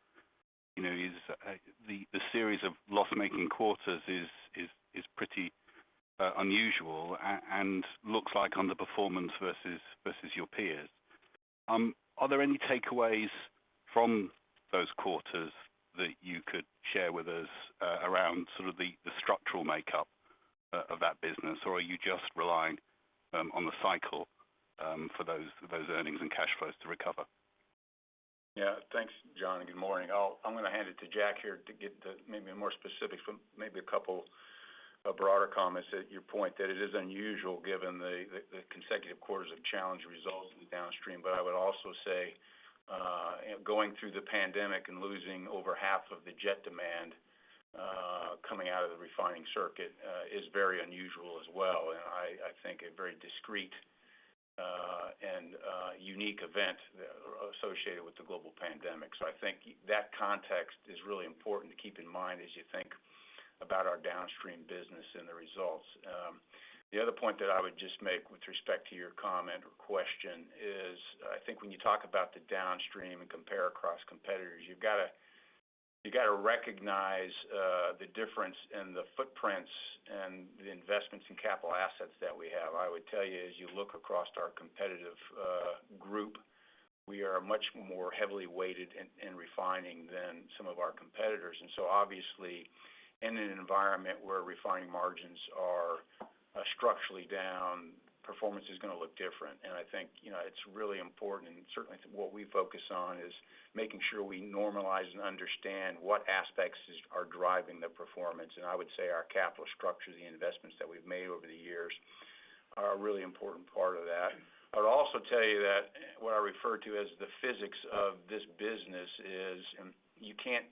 F: the series of loss-making quarters is pretty unusual and looks like underperformance versus your peers. Are there any takeaways from those quarters that you could share with us around sort of the structural makeup of that business? Are you just relying on the cycle for those earnings and cash flows to recover?
B: Yeah. Thanks, Jon, and good morning. I'm going to hand it to Jack here to get maybe more specifics from maybe a couple of broader comments that you point, that it is unusual given the consecutive quarters of challenged results in downstream. I would also say going through the pandemic and losing over half of the jet demand coming out of the refining circuit is very unusual as well, and I think a very discrete and unique event associated with the global pandemic. I think that context is really important to keep in mind as you think about our downstream business and the results. The other point that I would just make with respect to your comment or question is I think when you talk about the downstream and compare across competitors, you've got to recognize the difference in the footprints and the investments in capital assets that we have. I would tell you, as you look across our competitive group, we are much more heavily weighted in refining than some of our competitors. Obviously, in an environment where refining margins are structurally down, performance is going to look different. I think it's really important, and certainly what we focus on is making sure we normalize and understand what aspects are driving the performance. I would say our capital structure, the investments that we've made over the years are a really important part of that. I would also tell you that what I refer to as the physics of this business is you can't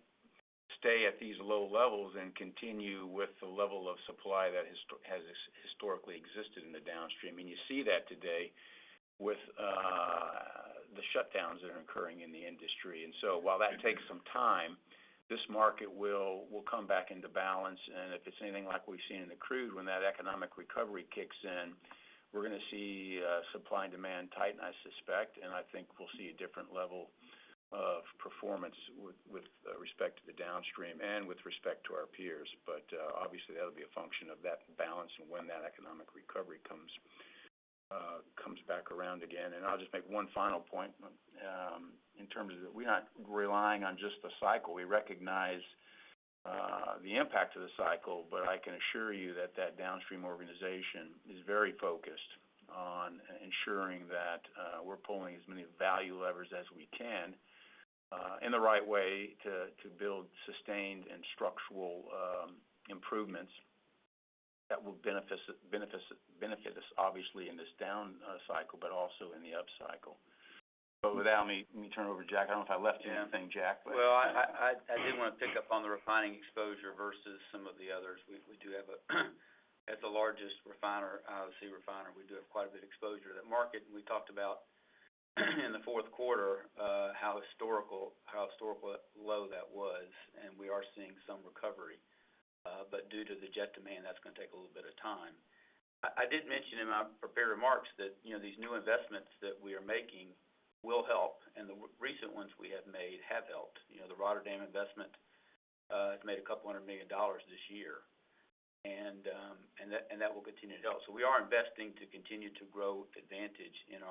B: stay at these low levels and continue with the level of supply that has historically existed in the downstream. You see that today with the shutdowns that are occurring in the industry. While that takes some time, this market will come back into balance. If it's anything like we've seen in the crude, when that economic recovery kicks in, we're going to see supply and demand tighten, I suspect, and I think we'll see a different level of performance with respect to the downstream and with respect to our peers. Obviously, that'll be a function of that balance and when that economic recovery comes back around again. I'll just make 1 final point in terms of we're not relying on just the cycle. We recognize the impact of the cycle. I can assure you that that downstream organization is very focused on ensuring that we're pulling as many value levers as we can in the right way to build sustained and structural improvements that will benefit us, obviously, in this down cycle, but also in the upcycle. With that, let me turn it over to Jack. I don't know if I left you anything, Jack.
C: I did want to pick up on the refining exposure versus some of the others. As the largest refiner, obviously refiner, we do have quite a bit exposure to that market, and we talked about in the Q4 how historical low that was, and we are seeing some recovery. Due to the jet demand, that's going to take a little bit of time. I did mention in my prepared remarks that these new investments that we are making will help, and the recent ones we have made have helped. The Rotterdam investment has made $200 million this year, and that will continue to help. So we are investing to continue to grow advantage in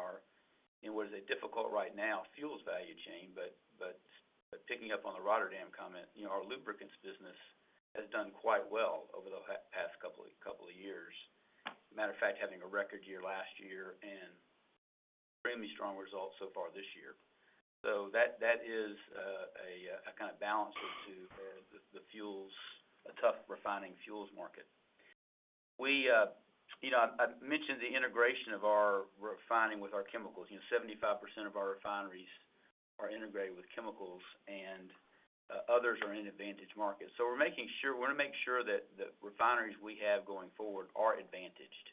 C: what is a difficult right now fuels value chain. Picking up on the Rotterdam comment, our lubricants business has done quite well over the past couple of years. Matter of fact, having a record year last year and extremely strong results so far this year. That is a kind of balance to the fuels, a tough refining fuels market. I mentioned the integration of our refining with our chemicals. 75% of our refineries are integrated with chemicals, and others are in advantage markets. We want to make sure that the refineries we have going forward are advantaged,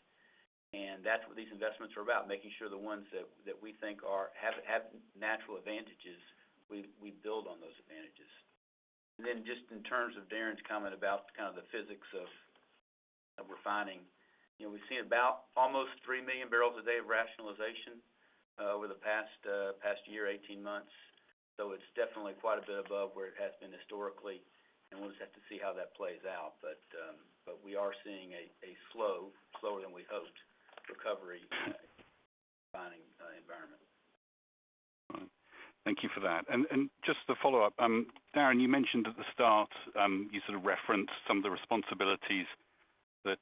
C: and that is what these investments are about, making sure the ones that we think have natural advantages, we build on those advantages. Then just in terms of Darren Woods' comment about the physics of refining. We have seen about almost three million barrels a day of rationalization over the past year, 18 months. It is definitely quite a bit above where it has been historically, and we will just have to see how that plays out. We are seeing a slow, slower than we hoped recovery refining environment.
F: All right. Thank you for that. Just to follow up, Darren, you mentioned at the start, you sort of referenced some of the responsibilities that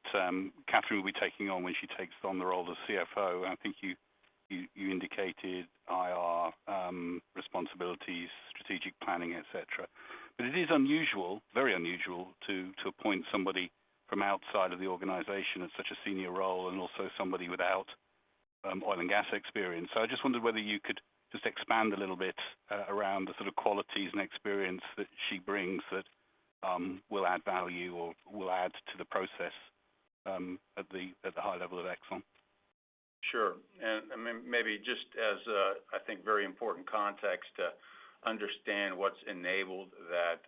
F: Kathy will be taking on when she takes on the role of CFO. I think you indicated IR responsibilities, strategic planning, et cetera. It is unusual, very unusual to appoint somebody from outside of the organization in such a senior role and also somebody without oil and gas experience. I just wondered whether you could just expand a little bit around the sort of qualities and experience that she brings that will add value or will add to the process at the high level of Exxon.
B: Sure. Maybe just as I think very important context to understand what's enabled that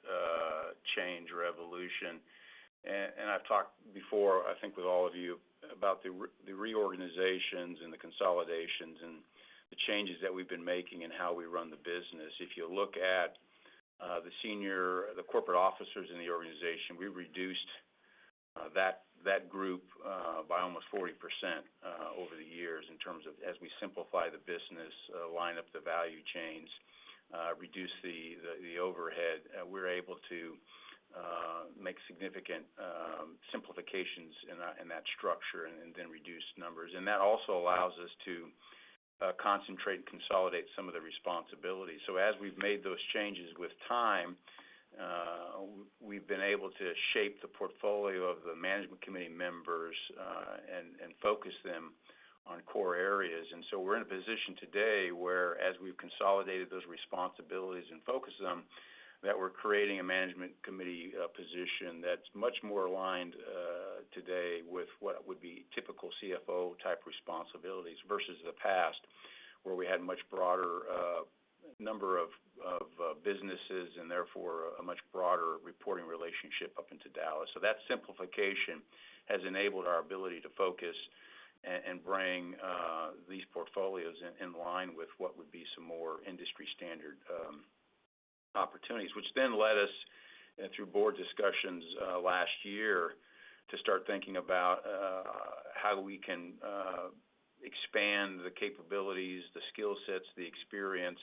B: change revolution. I've talked before, I think with all of you about the reorganizations and the consolidations and the changes that we've been making in how we run the business. If you look at the corporate officers in the organization, we reduced that group by almost 40% over the years in terms of as we simplify the business, line up the value chains reduce the overhead. We're able to make significant simplifications in that structure and then reduce numbers. That also allows us to concentrate and consolidate some of the responsibilities. As we've made those changes with time, we've been able to shape the portfolio of the management committee members and focus them on core areas. We're in a position today where as we've consolidated those responsibilities and focused them, that we're creating a management committee position that's much more aligned today with what would be typical CFO type responsibilities versus the past, where we had much broader number of businesses and therefore a much broader reporting relationship up into Dallas. That simplification has enabled our ability to focus and bring these portfolios in line with what would be some more industry standard opportunities, which then led us through board discussions last year to start thinking about how we can expand the capabilities, the skill sets, the experience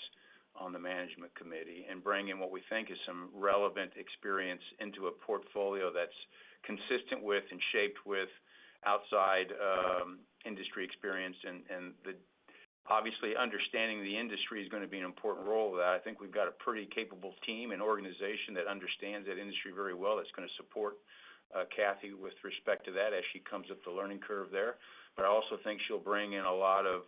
B: on the management committee and bring in what we think is some relevant experience into a portfolio that's consistent with and shaped with outside industry experience. Obviously understanding the industry is going to be an important role of that. I think we've got a pretty capable team and organization that understands that industry very well, that's going to support Kathy with respect to that as she comes up the learning curve there. I also think she'll bring in a lot of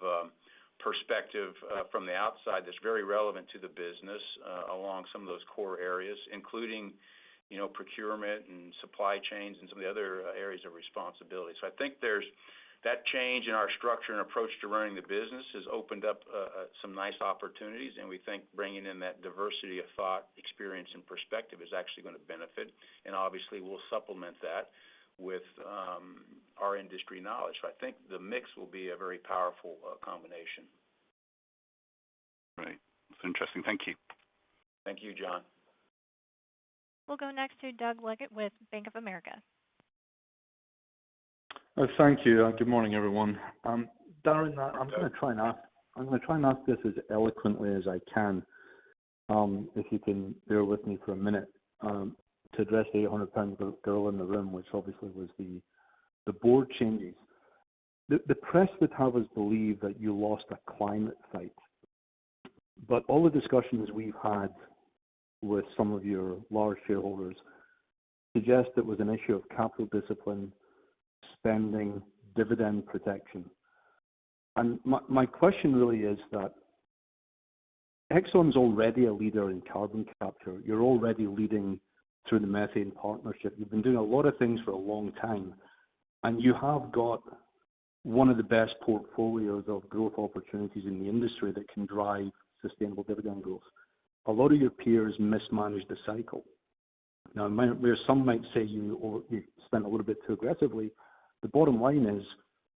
B: perspective from the outside that's very relevant to the business along some of those core areas, including procurement and supply chains and some of the other areas of responsibility. I think that change in our structure and approach to running the business has opened up some nice opportunities, and we think bringing in that diversity of thought, experience, and perspective is actually going to benefit. Obviously we'll supplement that with our industry knowledge. I think the mix will be a very powerful combination.
F: Right. That's interesting. Thank you.
B: Thank you, Jon.
D: We'll go next to Doug Leggate with Bank of America.
G: Thank you. Good morning, everyone.
B: Doug
G: I'm going to try and ask this as eloquently as I can if you can bear with me for a minute to address the 800-pound gorilla in the room, which obviously was the board changes. The press would have us believe that you lost a climate fight. All the discussions we've had with some of your large shareholders suggest it was an issue of capital discipline, spending, dividend protection. My question really is that ExxonMobil is already a leader in carbon capture. You're already leading through the Methane Partnership. You've been doing a lot of things for a long time, and you have got one of the best portfolios of growth opportunities in the industry that can drive sustainable dividend growth. A lot of your peers mismanaged the cycle. Where some might say you spent a little bit too aggressively, the bottom line is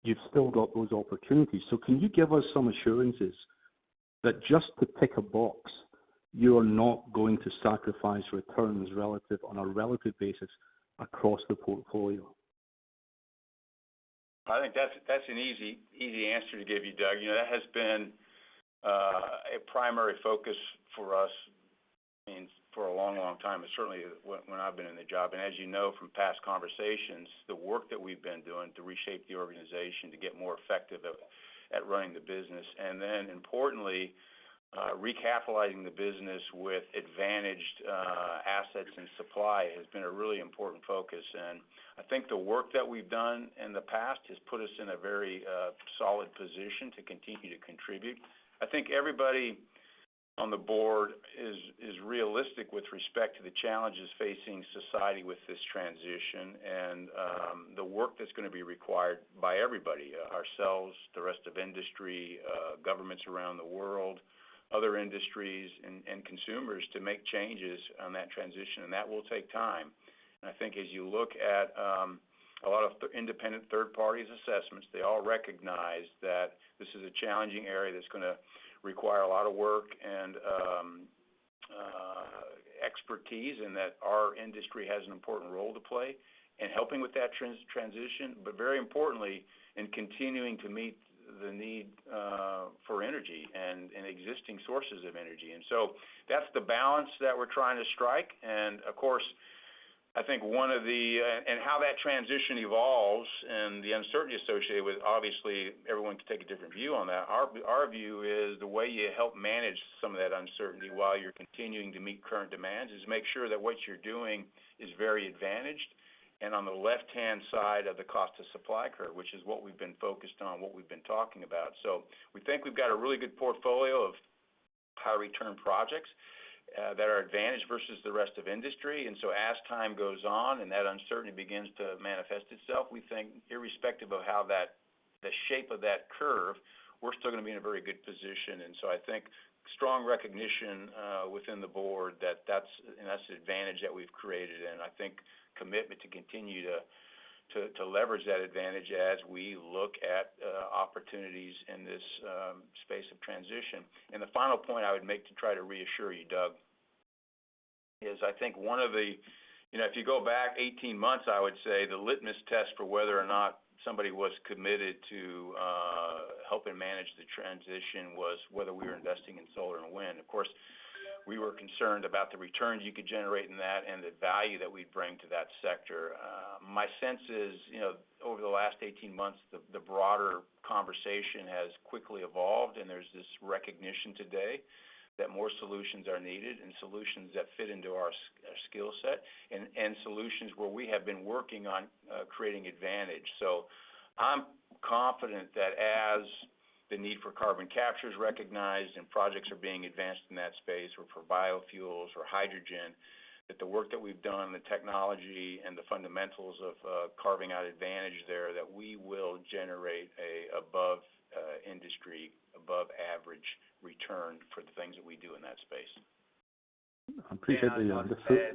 G: you've still got those opportunities. Can you give us some assurances that just to tick a box, you are not going to sacrifice returns on a relative basis across the portfolio?
B: I think that's an easy answer to give you, Doug. That has been a primary focus for us for a long time, and certainly when I've been in the job. As you know from past conversations, the work that we've been doing to reshape the organization to get more effective at running the business. Importantly, recapitalizing the business with advantaged assets and supply has been a really important focus. I think the work that we've done in the past has put us in a very solid position to continue to contribute. I think everybody on the board is realistic with respect to the challenges facing society with this transition and the work that's going to be required by everybody, ourselves, the rest of industry, governments around the world, other industries, and consumers, to make changes on that transition. That will take time. I think as you look at a lot of independent third parties' assessments, they all recognize that this is a challenging area that's going to require a lot of work and expertise, and that our industry has an important role to play in helping with that transition, but very importantly, in continuing to meet the need for energy and existing sources of energy. That's the balance that we're trying to strike, and of course, and how that transition evolves and the uncertainty associated with it, obviously everyone can take a different view on that. Our view is the way you help manage some of that uncertainty while you're continuing to meet current demands is make sure that what you're doing is very advantaged and on the left-hand side of the cost of supply curve, which is what we've been focused on, what we've been talking about. We think we've got a really good portfolio of high-return projects that are advantaged versus the rest of industry. As time goes on and that uncertainty begins to manifest itself, we think irrespective of the shape of that curve, we're still going to be in a very good position. I think strong recognition within the board that that's an advantage that we've created, and I think commitment to continue to leverage that advantage as we look at opportunities in this space of transition. The final point I would make to try to reassure you, Doug, is if you go back 18 months, I would say the litmus test for whether or not somebody was committed to helping manage the transition was whether we were investing in solar and wind. Of course, we were concerned about the returns you could generate in that and the value that we'd bring to that sector. My sense is over the last 18 months, the broader conversation has quickly evolved, and there's this recognition today that more solutions are needed and solutions that fit into our skill set and solutions where we have been working on creating advantage. I'm confident that as the need for carbon capture is recognized and projects are being advanced in that space or for biofuels or hydrogen, that the work that we've done, the technology and the fundamentals of carving out advantage there, that we will generate an above-industry, above-average return for the things that we do in that space.
G: I appreciate the-
C: May I just add-
G: Go ahead.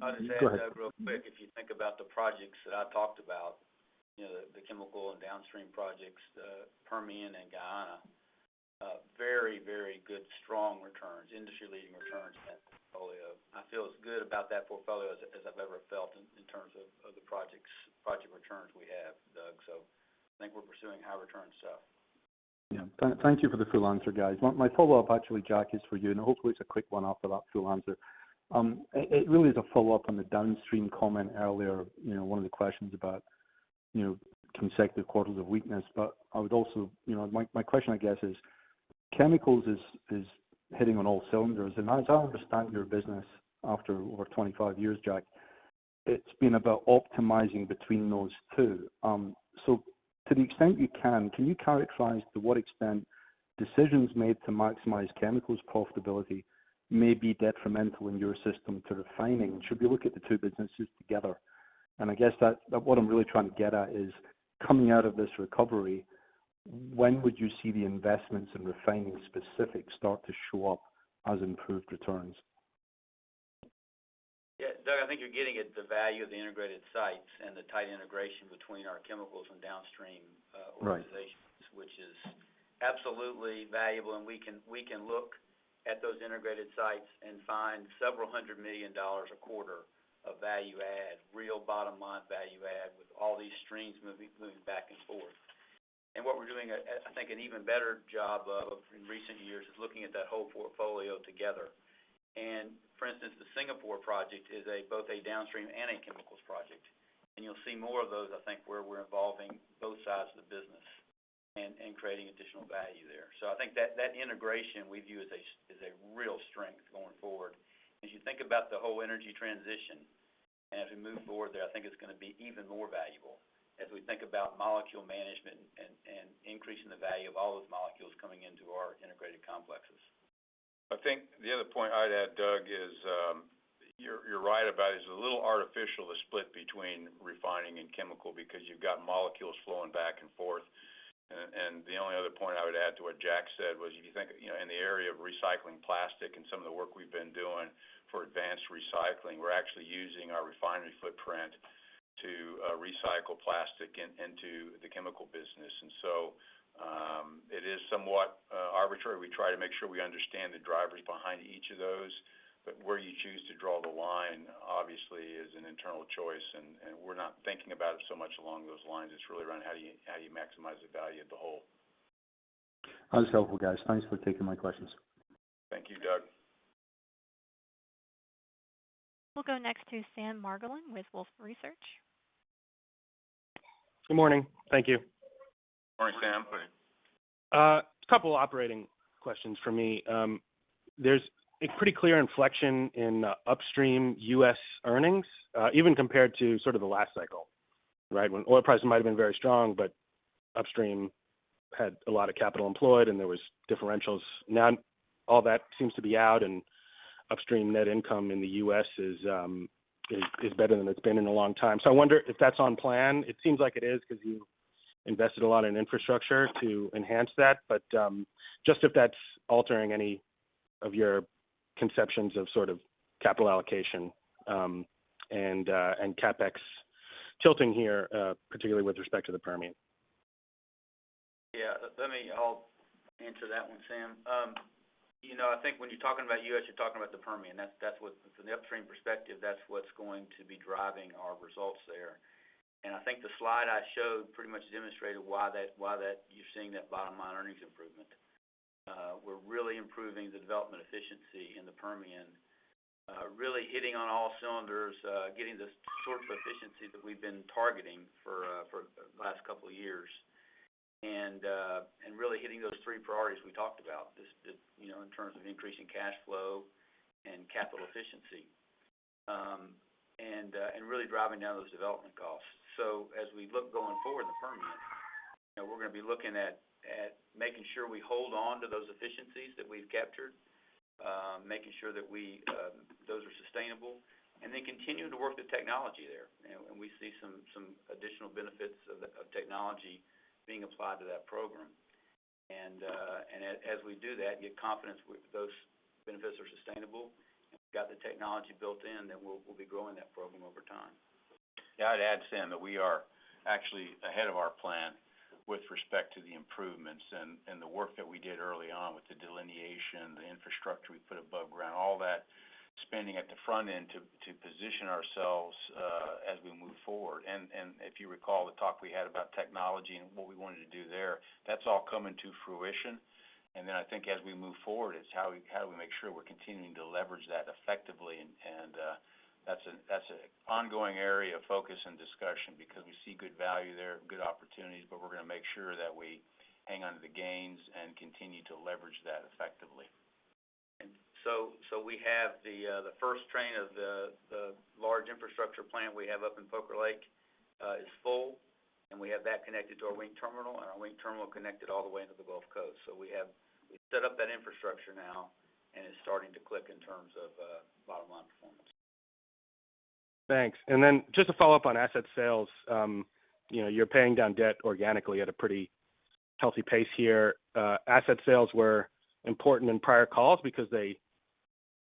C: I'll just add, Doug, real quick, if you think about the projects that I talked about, the chemical and downstream projects, the Permian and Guyana, very good, strong returns, industry-leading returns in that portfolio. I feel as good about that portfolio as I've ever felt in terms of the project returns we have, Doug. I think we're pursuing high returns.
G: Yeah. Thank you for the full answer, guys. My follow-up actually, Jack, is for you, and hopefully it's a quick one after that full answer. It really is a follow-up on the downstream comment earlier, one of the questions about consecutive quarters of weakness. My question, I guess, is Chemicals is hitting on all cylinders, and as I understand your business after over 25 years, Jack, it's been about optimizing between those two. To the extent you can you characterize to what extent decisions made to maximize Chemicals profitability may be detrimental in your system to refining? Should we look at the two businesses together? I guess what I'm really trying to get at is coming out of this recovery, when would you see the investments in refining specific start to show up as improved returns?
C: Yeah, Doug, I think you're getting at the value of the integrated sites and the tight integration between our chemicals and downstream organizations.
G: Right
C: which is absolutely valuable, and we can look at those integrated sites and find several hundred million dollars a quarter of value add, real bottom-line value add with all these streams moving back and forth. What we're doing, I think, an even better job of in recent years is looking at that whole portfolio together. For instance, the Singapore project is both a downstream and a chemicals project. You'll see more of those, I think, where we're involving both sides of the business and creating additional value there. I think that integration we view as a real strength going forward. Think about the whole energy transition. As we move forward there, I think it's going to be even more valuable as we think about molecule management and increasing the value of all those molecules coming into our integrated complexes.
B: I think the other point I'd add, Doug, is you're right about it's a little artificial to split between refining and chemical, because you've got molecules flowing back and forth. The only other point I would add to what Jack said was, if you think in the area of recycling plastic and some of the work we've been doing for advanced recycling, we're actually using our refinery footprint to recycle plastic into the chemical business. So, it is somewhat arbitrary. We try to make sure we understand the drivers behind each of those, but where you choose to draw the line, obviously, is an internal choice, and we're not thinking about it so much along those lines. It's really around how do you maximize the value of the whole.
G: That was helpful, guys. Thanks for taking my questions.
B: Thank you, Doug.
D: We'll go next to Sam Margolin with Wolfe Research.
H: Good morning. Thank you.
B: Morning, Sam.
H: A couple operating questions for me. There's a pretty clear inflection in upstream U.S. earnings, even compared to sort of the last cycle, right? When oil prices might've been very strong, but upstream had a lot of capital employed and there was differentials. Now all that seems to be out and upstream net income in the U.S. is better than it's been in a long time. I wonder if that's on plan. It seems like it is because you invested a lot in infrastructure to enhance that. Just if that's altering any of your conceptions of capital allocation, and CapEx tilting here, particularly with respect to the Permian.
C: Yeah. Let me answer that one, Sam. I think when you're talking about U.S., you're talking about the Permian. From the upstream perspective, that's what's going to be driving our results there. I think the slide I showed pretty much demonstrated why you're seeing that bottom line earnings improvement. We're really improving the development efficiency in the Permian. Really hitting on all cylinders, getting the sorts of efficiency that we've been targeting for the last couple of years. Really hitting those three priorities we talked about, in terms of increasing cash flow and capital efficiency. Really driving down those development costs. As we look going forward in the Permian, we're going to be looking at making sure we hold onto those efficiencies that we've captured. Making sure that those are sustainable, and then continuing to work the technology there. We see some additional benefits of technology being applied to that program. As we do that, get confidence those benefits are sustainable, and we've got the technology built in, then we'll be growing that program over time.
B: Yeah, I'd add, Sam, that we are actually ahead of our plan with respect to the improvements and the work that we did early on with the delineation, the infrastructure we put above ground, all that spending at the front end to position ourselves as we move forward. If you recall the talk we had about technology and what we wanted to do there, that's all coming to fruition. I think as we move forward, it's how do we make sure we're continuing to leverage that effectively and that's an ongoing area of focus and discussion because we see good value there, good opportunities, but we're going to make sure that we hang onto the gains and continue to leverage that effectively.
C: We have the first train of the large infrastructure plant we have up in Poker Lake is full, and we have that connected to our Wink Terminal, and our Wink Terminal connected all the way into the Gulf Coast. We set up that infrastructure now, and it's starting to click in terms of bottom line performance.
H: Thanks. Just to follow up on asset sales. You're paying down debt organically at a pretty healthy pace here. Asset sales were important in prior calls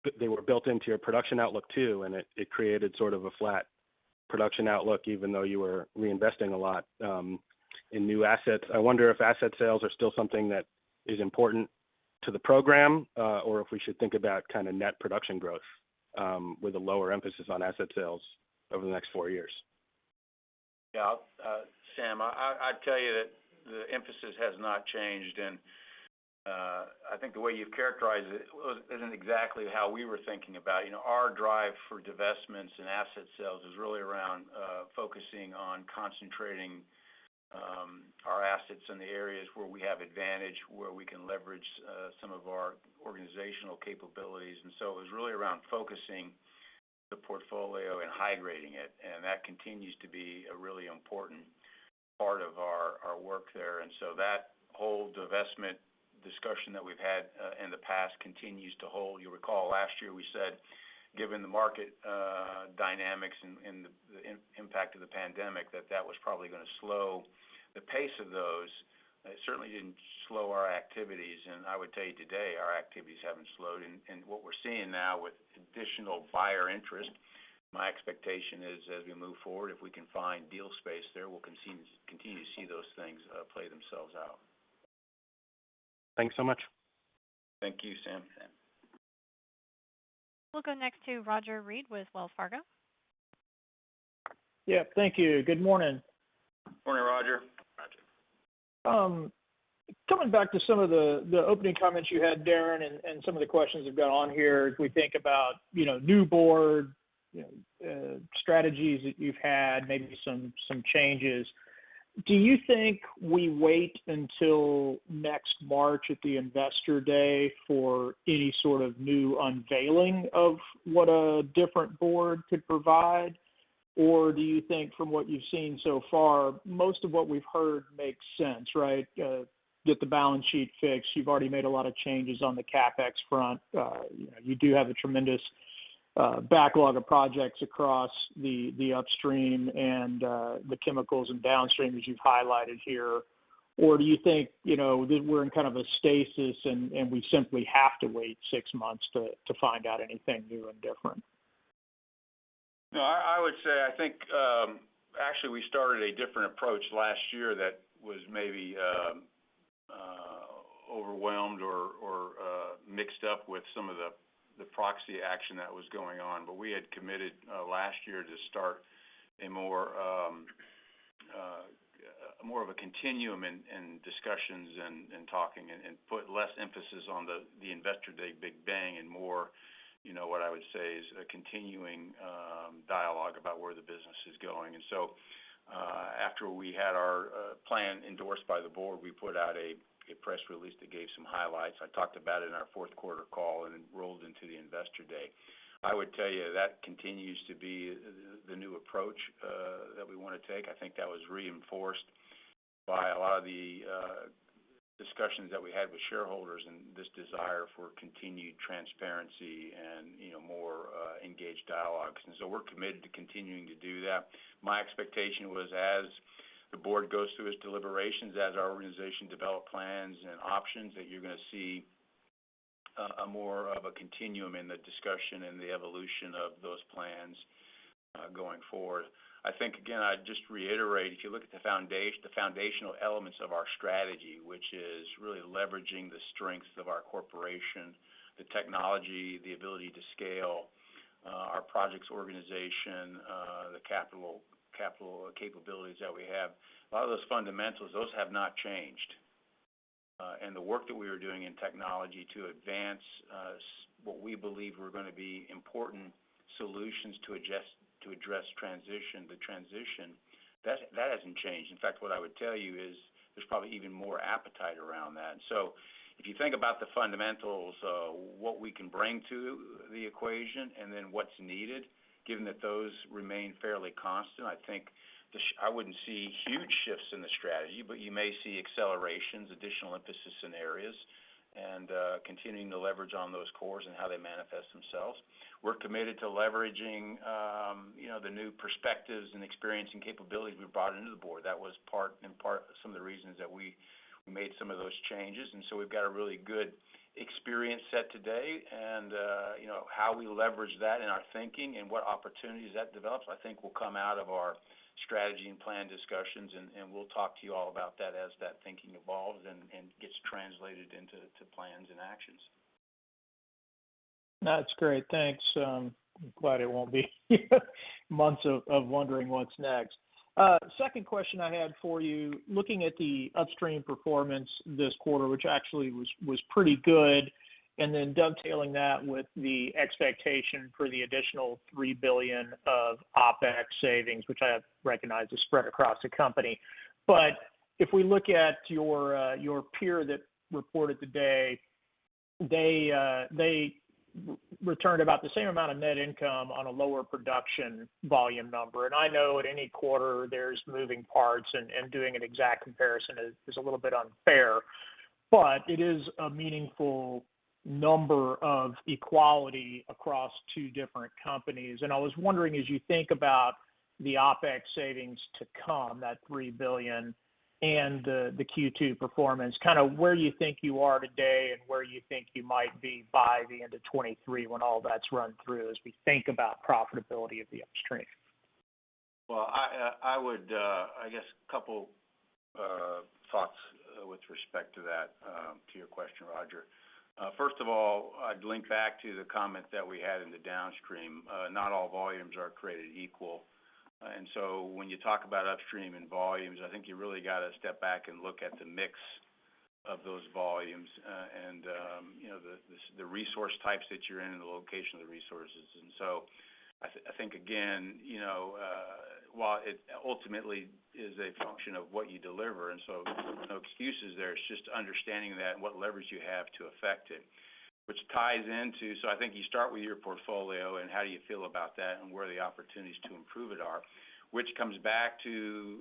H: because they were built into your production outlook too, and it created sort of a flat production outlook even though you were reinvesting a lot in new assets. I wonder if asset sales are still something that is important to the program, or if we should think about net production growth with a lower emphasis on asset sales over the next four years.
B: Yeah. Sam, I'd tell you that the emphasis has not changed and I think the way you've characterized it isn't exactly how we were thinking about it. Our drive for divestments and asset sales is really around focusing on concentrating our assets in the areas where we have advantage, where we can leverage some of our organizational capabilities. It was really around focusing the portfolio and high-grading it, and that continues to be a really important part of our work there. That whole divestment discussion that we've had in the past continues to hold. You'll recall last year we said, given the market dynamics and the impact of the pandemic, that that was probably going to slow the pace of those. It certainly didn't slow our activities, and I would tell you today, our activities haven't slowed. What we're seeing now with additional buyer interest, my expectation is as we move forward, if we can find deal space there, we'll continue to see those things play themselves out.
H: Thanks so much.
B: Thank you, Sam.
D: We'll go next to Roger Read with Wells Fargo.
I: Yeah, thank you. Good morning.
B: Morning, Roger.
I: Coming back to some of the opening comments you had, Darren, and some of the questions we've got on here, as we think about new board strategies that you've had, maybe some changes. Do you think we wait until next March at the Investor Day for any sort of new unveiling of what a different board could provide? Do you think from what you've seen so far, most of what we've heard makes sense, right? Get the balance sheet fixed. You've already made a lot of changes on the CapEx front. You do have a tremendous backlog of projects across the upstream and the chemicals and downstream, as you've highlighted here. Do you think that we're in kind of a stasis, and we simply have to wait six months to find out anything new and different?
B: No, I would say, I think, actually we started a different approach last year that was maybe overwhelmed or mixed up with some of the proxy action that was going on. We had committed last year to start a more of a continuum in discussions and talking, and put less emphasis on the Investor Day big bang and more, what I would say is, a continuing dialogue about where the business is going. After we had our plan endorsed by the board, we put out a press release that gave some highlights. I talked about it in our Q4 call, and it rolled into the Investor Day. I would tell you, that continues to be the new approach that we want to take. I think that was reinforced by a lot of the discussions that we had with shareholders, and this desire for continued transparency and more engaged dialogues. We're committed to continuing to do that. My expectation was, as the board goes through its deliberations, as our organization develop plans and options, that you're going to see a more of a continuum in the discussion and the evolution of those plans going forward. I think, again, I'd just reiterate, if you look at the foundational elements of our strategy, which is really leveraging the strengths of our corporation, the technology, the ability to scale our projects organization, the capital capabilities that we have. A lot of those fundamentals, those have not changed. The work that we are doing in technology to advance what we believe are going to be important solutions to address the transition, that hasn't changed. In fact, what I would tell you is there's probably even more appetite around that. If you think about the fundamentals, what we can bring to the equation and then what's needed, given that those remain fairly constant, I think I wouldn't see huge shifts in the strategy, but you may see accelerations, additional emphasis in areas, and continuing to leverage on those cores and how they manifest themselves. We're committed to leveraging the new perspectives and experience and capabilities we've brought into the Board. That was in part some of the reasons that we made some of those changes. We've got a really good experience set today, and how we leverage that in our thinking and what opportunities that develops, I think will come out of our strategy and plan discussions. We'll talk to you all about that as that thinking evolves and gets translated into plans and actions.
I: That's great. Thanks. I'm glad it won't be months of wondering what's next. Second question I had for you, looking at the upstream performance this quarter, which actually was pretty good. Dovetailing that with the expectation for the additional $3 billion of OpEx savings, which I recognize is spread across the company. If we look at your peer that reported today, they returned about the same amount of net income on a lower production volume number. I know at any quarter, there's moving parts, and doing an exact comparison is a little bit unfair, but it is a meaningful number of equality across two different companies. I was wondering, as you think about the OpEx savings to come, that $3 billion, and the Q2 performance, kind of where you think you are today and where you think you might be by the end of 2023 when all that's run through, as we think about profitability of the upstream?
B: I guess a couple thoughts with respect to that, to your question, Roger. First of all, I'd link back to the comment that we had in the downstream. Not all volumes are created equal. When you talk about upstream and volumes, I think you really got to step back and look at the mix of those volumes, and the resource types that you're in, and the location of the resources. I think, again, while it ultimately is a function of what you deliver and so no excuses there, it's just understanding that and what leverage you have to affect it, which ties into I think you start with your portfolio and how do you feel about that, and where the opportunities to improve it are. Which comes back to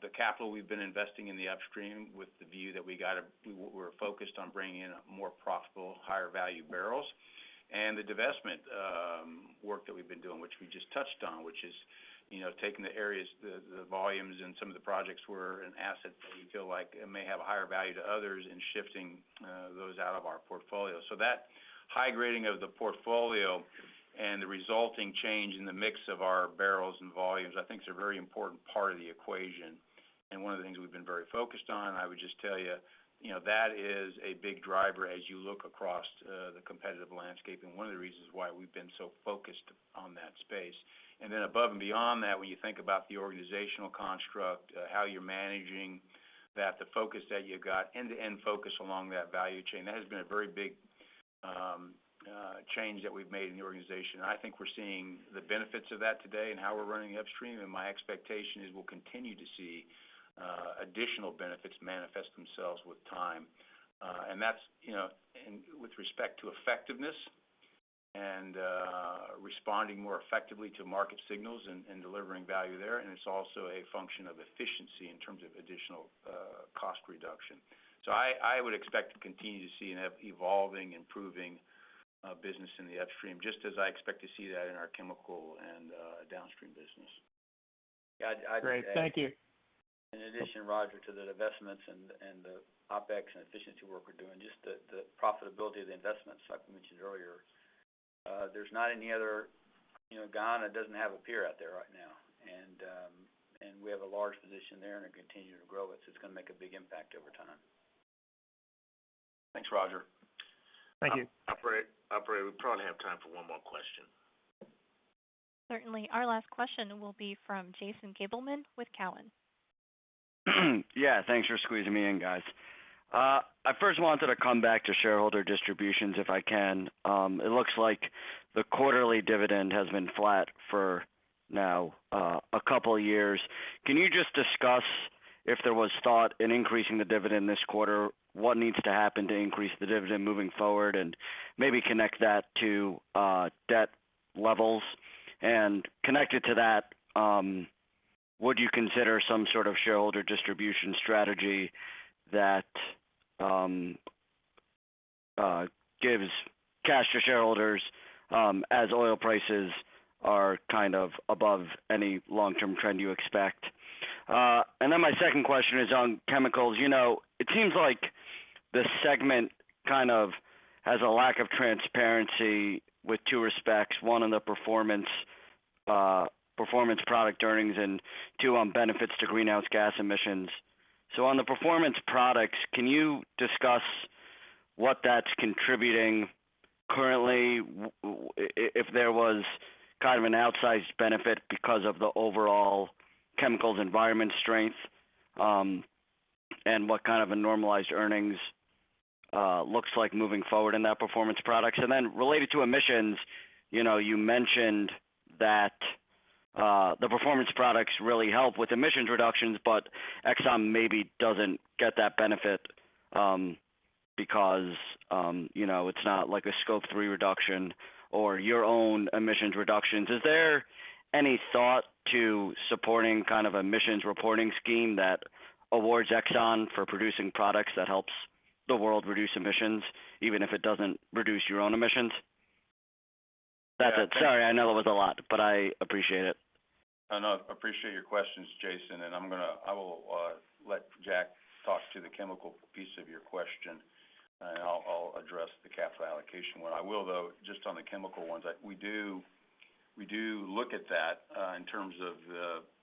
B: the capital we've been investing in the upstream with the view that we're focused on bringing in more profitable, higher value barrels. The divestment work that we've been doing, which we just touched on, which is taking the areas, the volumes, and some of the projects where an asset that we feel like it may have a higher value to others and shifting those out of our portfolio. That high grading of the portfolio and the resulting change in the mix of our barrels and volumes, I think is a very important part of the equation, and one of the things we've been very focused on. I would just tell you, that is a big driver as you look across the competitive landscape, and one of the reasons why we've been so focused on that space. Then above and beyond that, when you think about the organizational construct, how you're managing that, the focus that you've got, end-to-end focus along that value chain. That has been a very big change that we've made in the organization. I think we're seeing the benefits of that today in how we're running upstream. My expectation is we'll continue to see additional benefits manifest themselves with time. With respect to effectiveness and responding more effectively to market signals and delivering value there. It's also a function of efficiency in terms of additional cost reduction. I would expect to continue to see an evolving, improving business in the upstream, just as I expect to see that in our chemical and downstream business.
I: Great. Thank you.
C: In addition, Roger, to the divestments and the OpEx and efficiency work we're doing, just the profitability of the investments, like we mentioned earlier. Guyana doesn't have a peer out there right now. We have a large position there and are continuing to grow it, so it's going to make a big impact over time.
B: Thanks, Roger.
I: Thank you.
B: Operator, we probably have time for one more question.
D: Certainly. Our last question will be from Jason Gabelman with Cowen.
J: Yeah. Thanks for squeezing me in, guys. I first wanted to come back to shareholder distributions, if I can. It looks like the quarterly dividend has been flat for now two years. Can you just discuss if there was thought in increasing the dividend this quarter? What needs to happen to increase the dividend moving forward? Maybe connect that to debt levels. Connected to that, would you consider some sort of shareholder distribution strategy that gives cash to shareholders as oil prices are kind of above any long-term trend you expect? My second question is on chemicals. It seems like the segment kind of has a lack of transparency with two respects, one on the Chemical Performance Products earnings, and two on benefits to greenhouse gas emissions. On the Chemical Performance Products, can you discuss what that's contributing currently, if there was an outsized benefit because of the overall chemicals environment strength? What a normalized earnings looks like moving forward in that Chemical Performance Products. Related to emissions, you mentioned that the Chemical Performance Products really help with emissions reductions, but Exxon maybe doesn't get that benefit because it's not a Scope 3 reduction or your own emissions reductions. Is there any thought to supporting emissions reporting scheme that awards Exxon for producing products that helps the world reduce emissions, even if it doesn't reduce your own emissions? That's it. Sorry, I know it was a lot, but I appreciate it.
B: No, I appreciate your questions, Jason. I will let Jack talk to the chemical piece of your question, and I'll address the capital allocation one. I will though, just on the chemical ones, we do look at that in terms of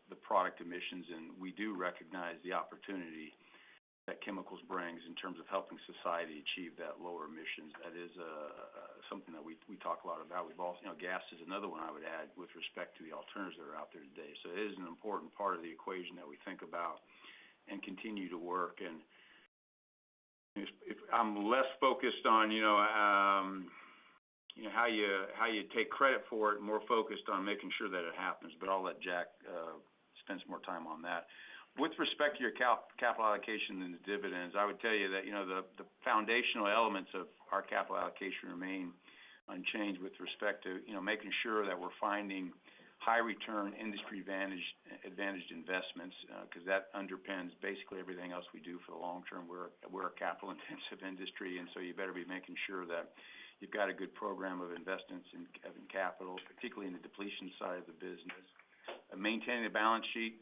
B: the product emissions. We do recognize the opportunity that chemicals brings in terms of helping society achieve that lower emissions. That is something that we talk a lot about. Gas is another one I would add with respect to the alternatives that are out there today. It is an important part of the equation that we think about and continue to work. I'm less focused on how you take credit for it and more focused on making sure that it happens. I'll let Jack spend some more time on that. With respect to your capital allocation and the dividends, I would tell you that the foundational elements of our capital allocation remain unchanged with respect to making sure that we're finding high return industry advantaged investments, because that underpins basically everything else we do for the long term. We're a capital-intensive industry. You better be making sure that you've got a good program of investments in capital, particularly in the depletion side of the business. Maintaining a balance sheet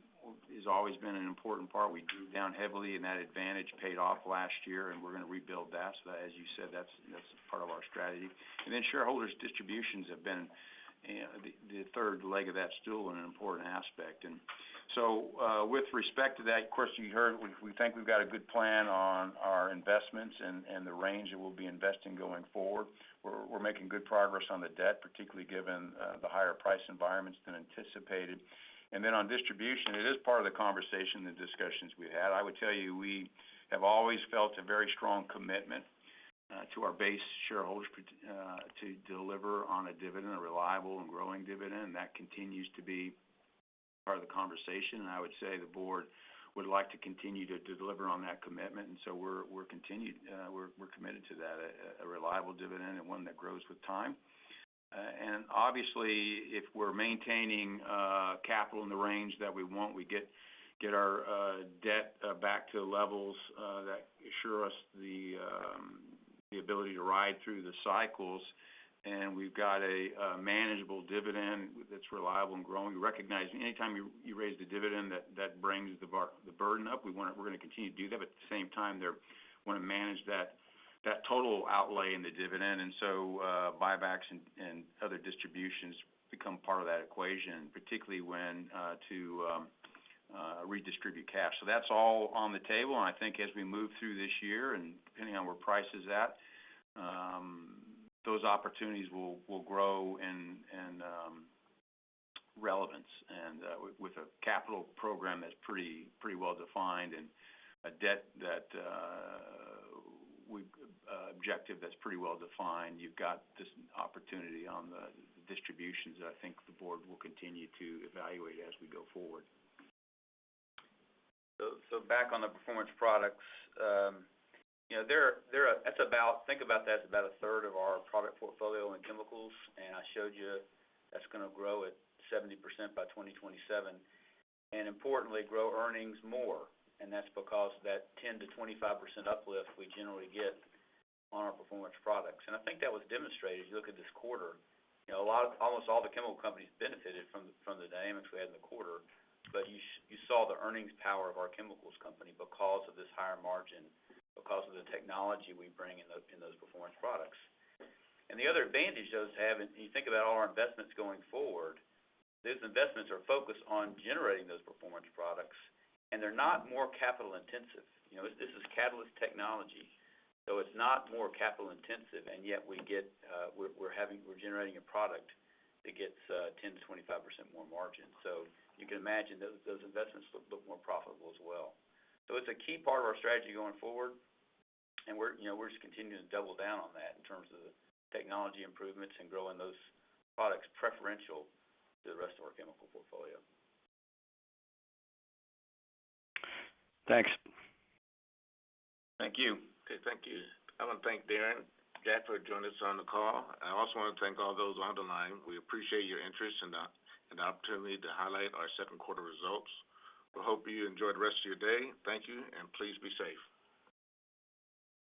B: has always been an important part. We drew down heavily and that advantage paid off last year and we're going to rebuild that. As you said, that's part of our strategy. Shareholders distributions have been the third leg of that stool and an important aspect. With respect to that question, you heard we think we've got a good plan on our investments and the range that we'll be investing going forward. We're making good progress on the debt, particularly given the higher price environments than anticipated. On distribution, it is part of the conversation, the discussions we had. I would tell you we have always felt a very strong commitment to our base shareholders to deliver on a dividend, a reliable and growing dividend. That continues to be part of the conversation. I would say the board would like to continue to deliver on that commitment. We're committed to that, a reliable dividend and one that grows with time. Obviously, if we're maintaining capital in the range that we want, we get our debt back to levels that assure us the ability to ride through the cycles. We've got a manageable dividend that's reliable and growing. We recognize anytime you raise the dividend, that brings the burden up. We're going to continue to do that, but at the same time, want to manage that total outlay in the dividend. Buybacks and other distributions become part of that equation, particularly when to redistribute cash. That's all on the table. I think as we move through this year and depending on where price is at, those opportunities will grow in relevance. With a capital program that's pretty well-defined and a debt objective that's pretty well-defined, you've got this opportunity on the distributions that I think the board will continue to evaluate as we go forward.
C: Back on the performance products. Think about that as about a third of our product portfolio in chemicals, and I showed you that's going to grow at 70% by 2027, and importantly, grow earnings more. That's because that 10%-25% uplift we generally get on our performance products. I think that was demonstrated as you look at this quarter. Almost all the chemical companies benefited from the dynamics we had in the quarter. You saw the earnings power of our chemicals company because of this higher margin, because of the technology we bring in those performance products. The other advantage those have, and you think about all our investments going forward, those investments are focused on generating those performance products, and they're not more capital intensive. This is catalyst technology, it's not more capital intensive, and yet we're generating a product that gets 10%-25% more margin. You can imagine those investments look more profitable as well. It's a key part of our strategy going forward, and we're just continuing to double down on that in terms of the technology improvements and growing those products preferential to the rest of our chemical portfolio.
J: Thanks.
C: Thank you.
A: Okay. Thank you. I want to thank Darren, Jack Williams for joining us on the call. I also want to thank all those on the line. We appreciate your interest and the opportunity to highlight our Q2 results. We hope you enjoy the rest of your day. Thank you, and please be safe.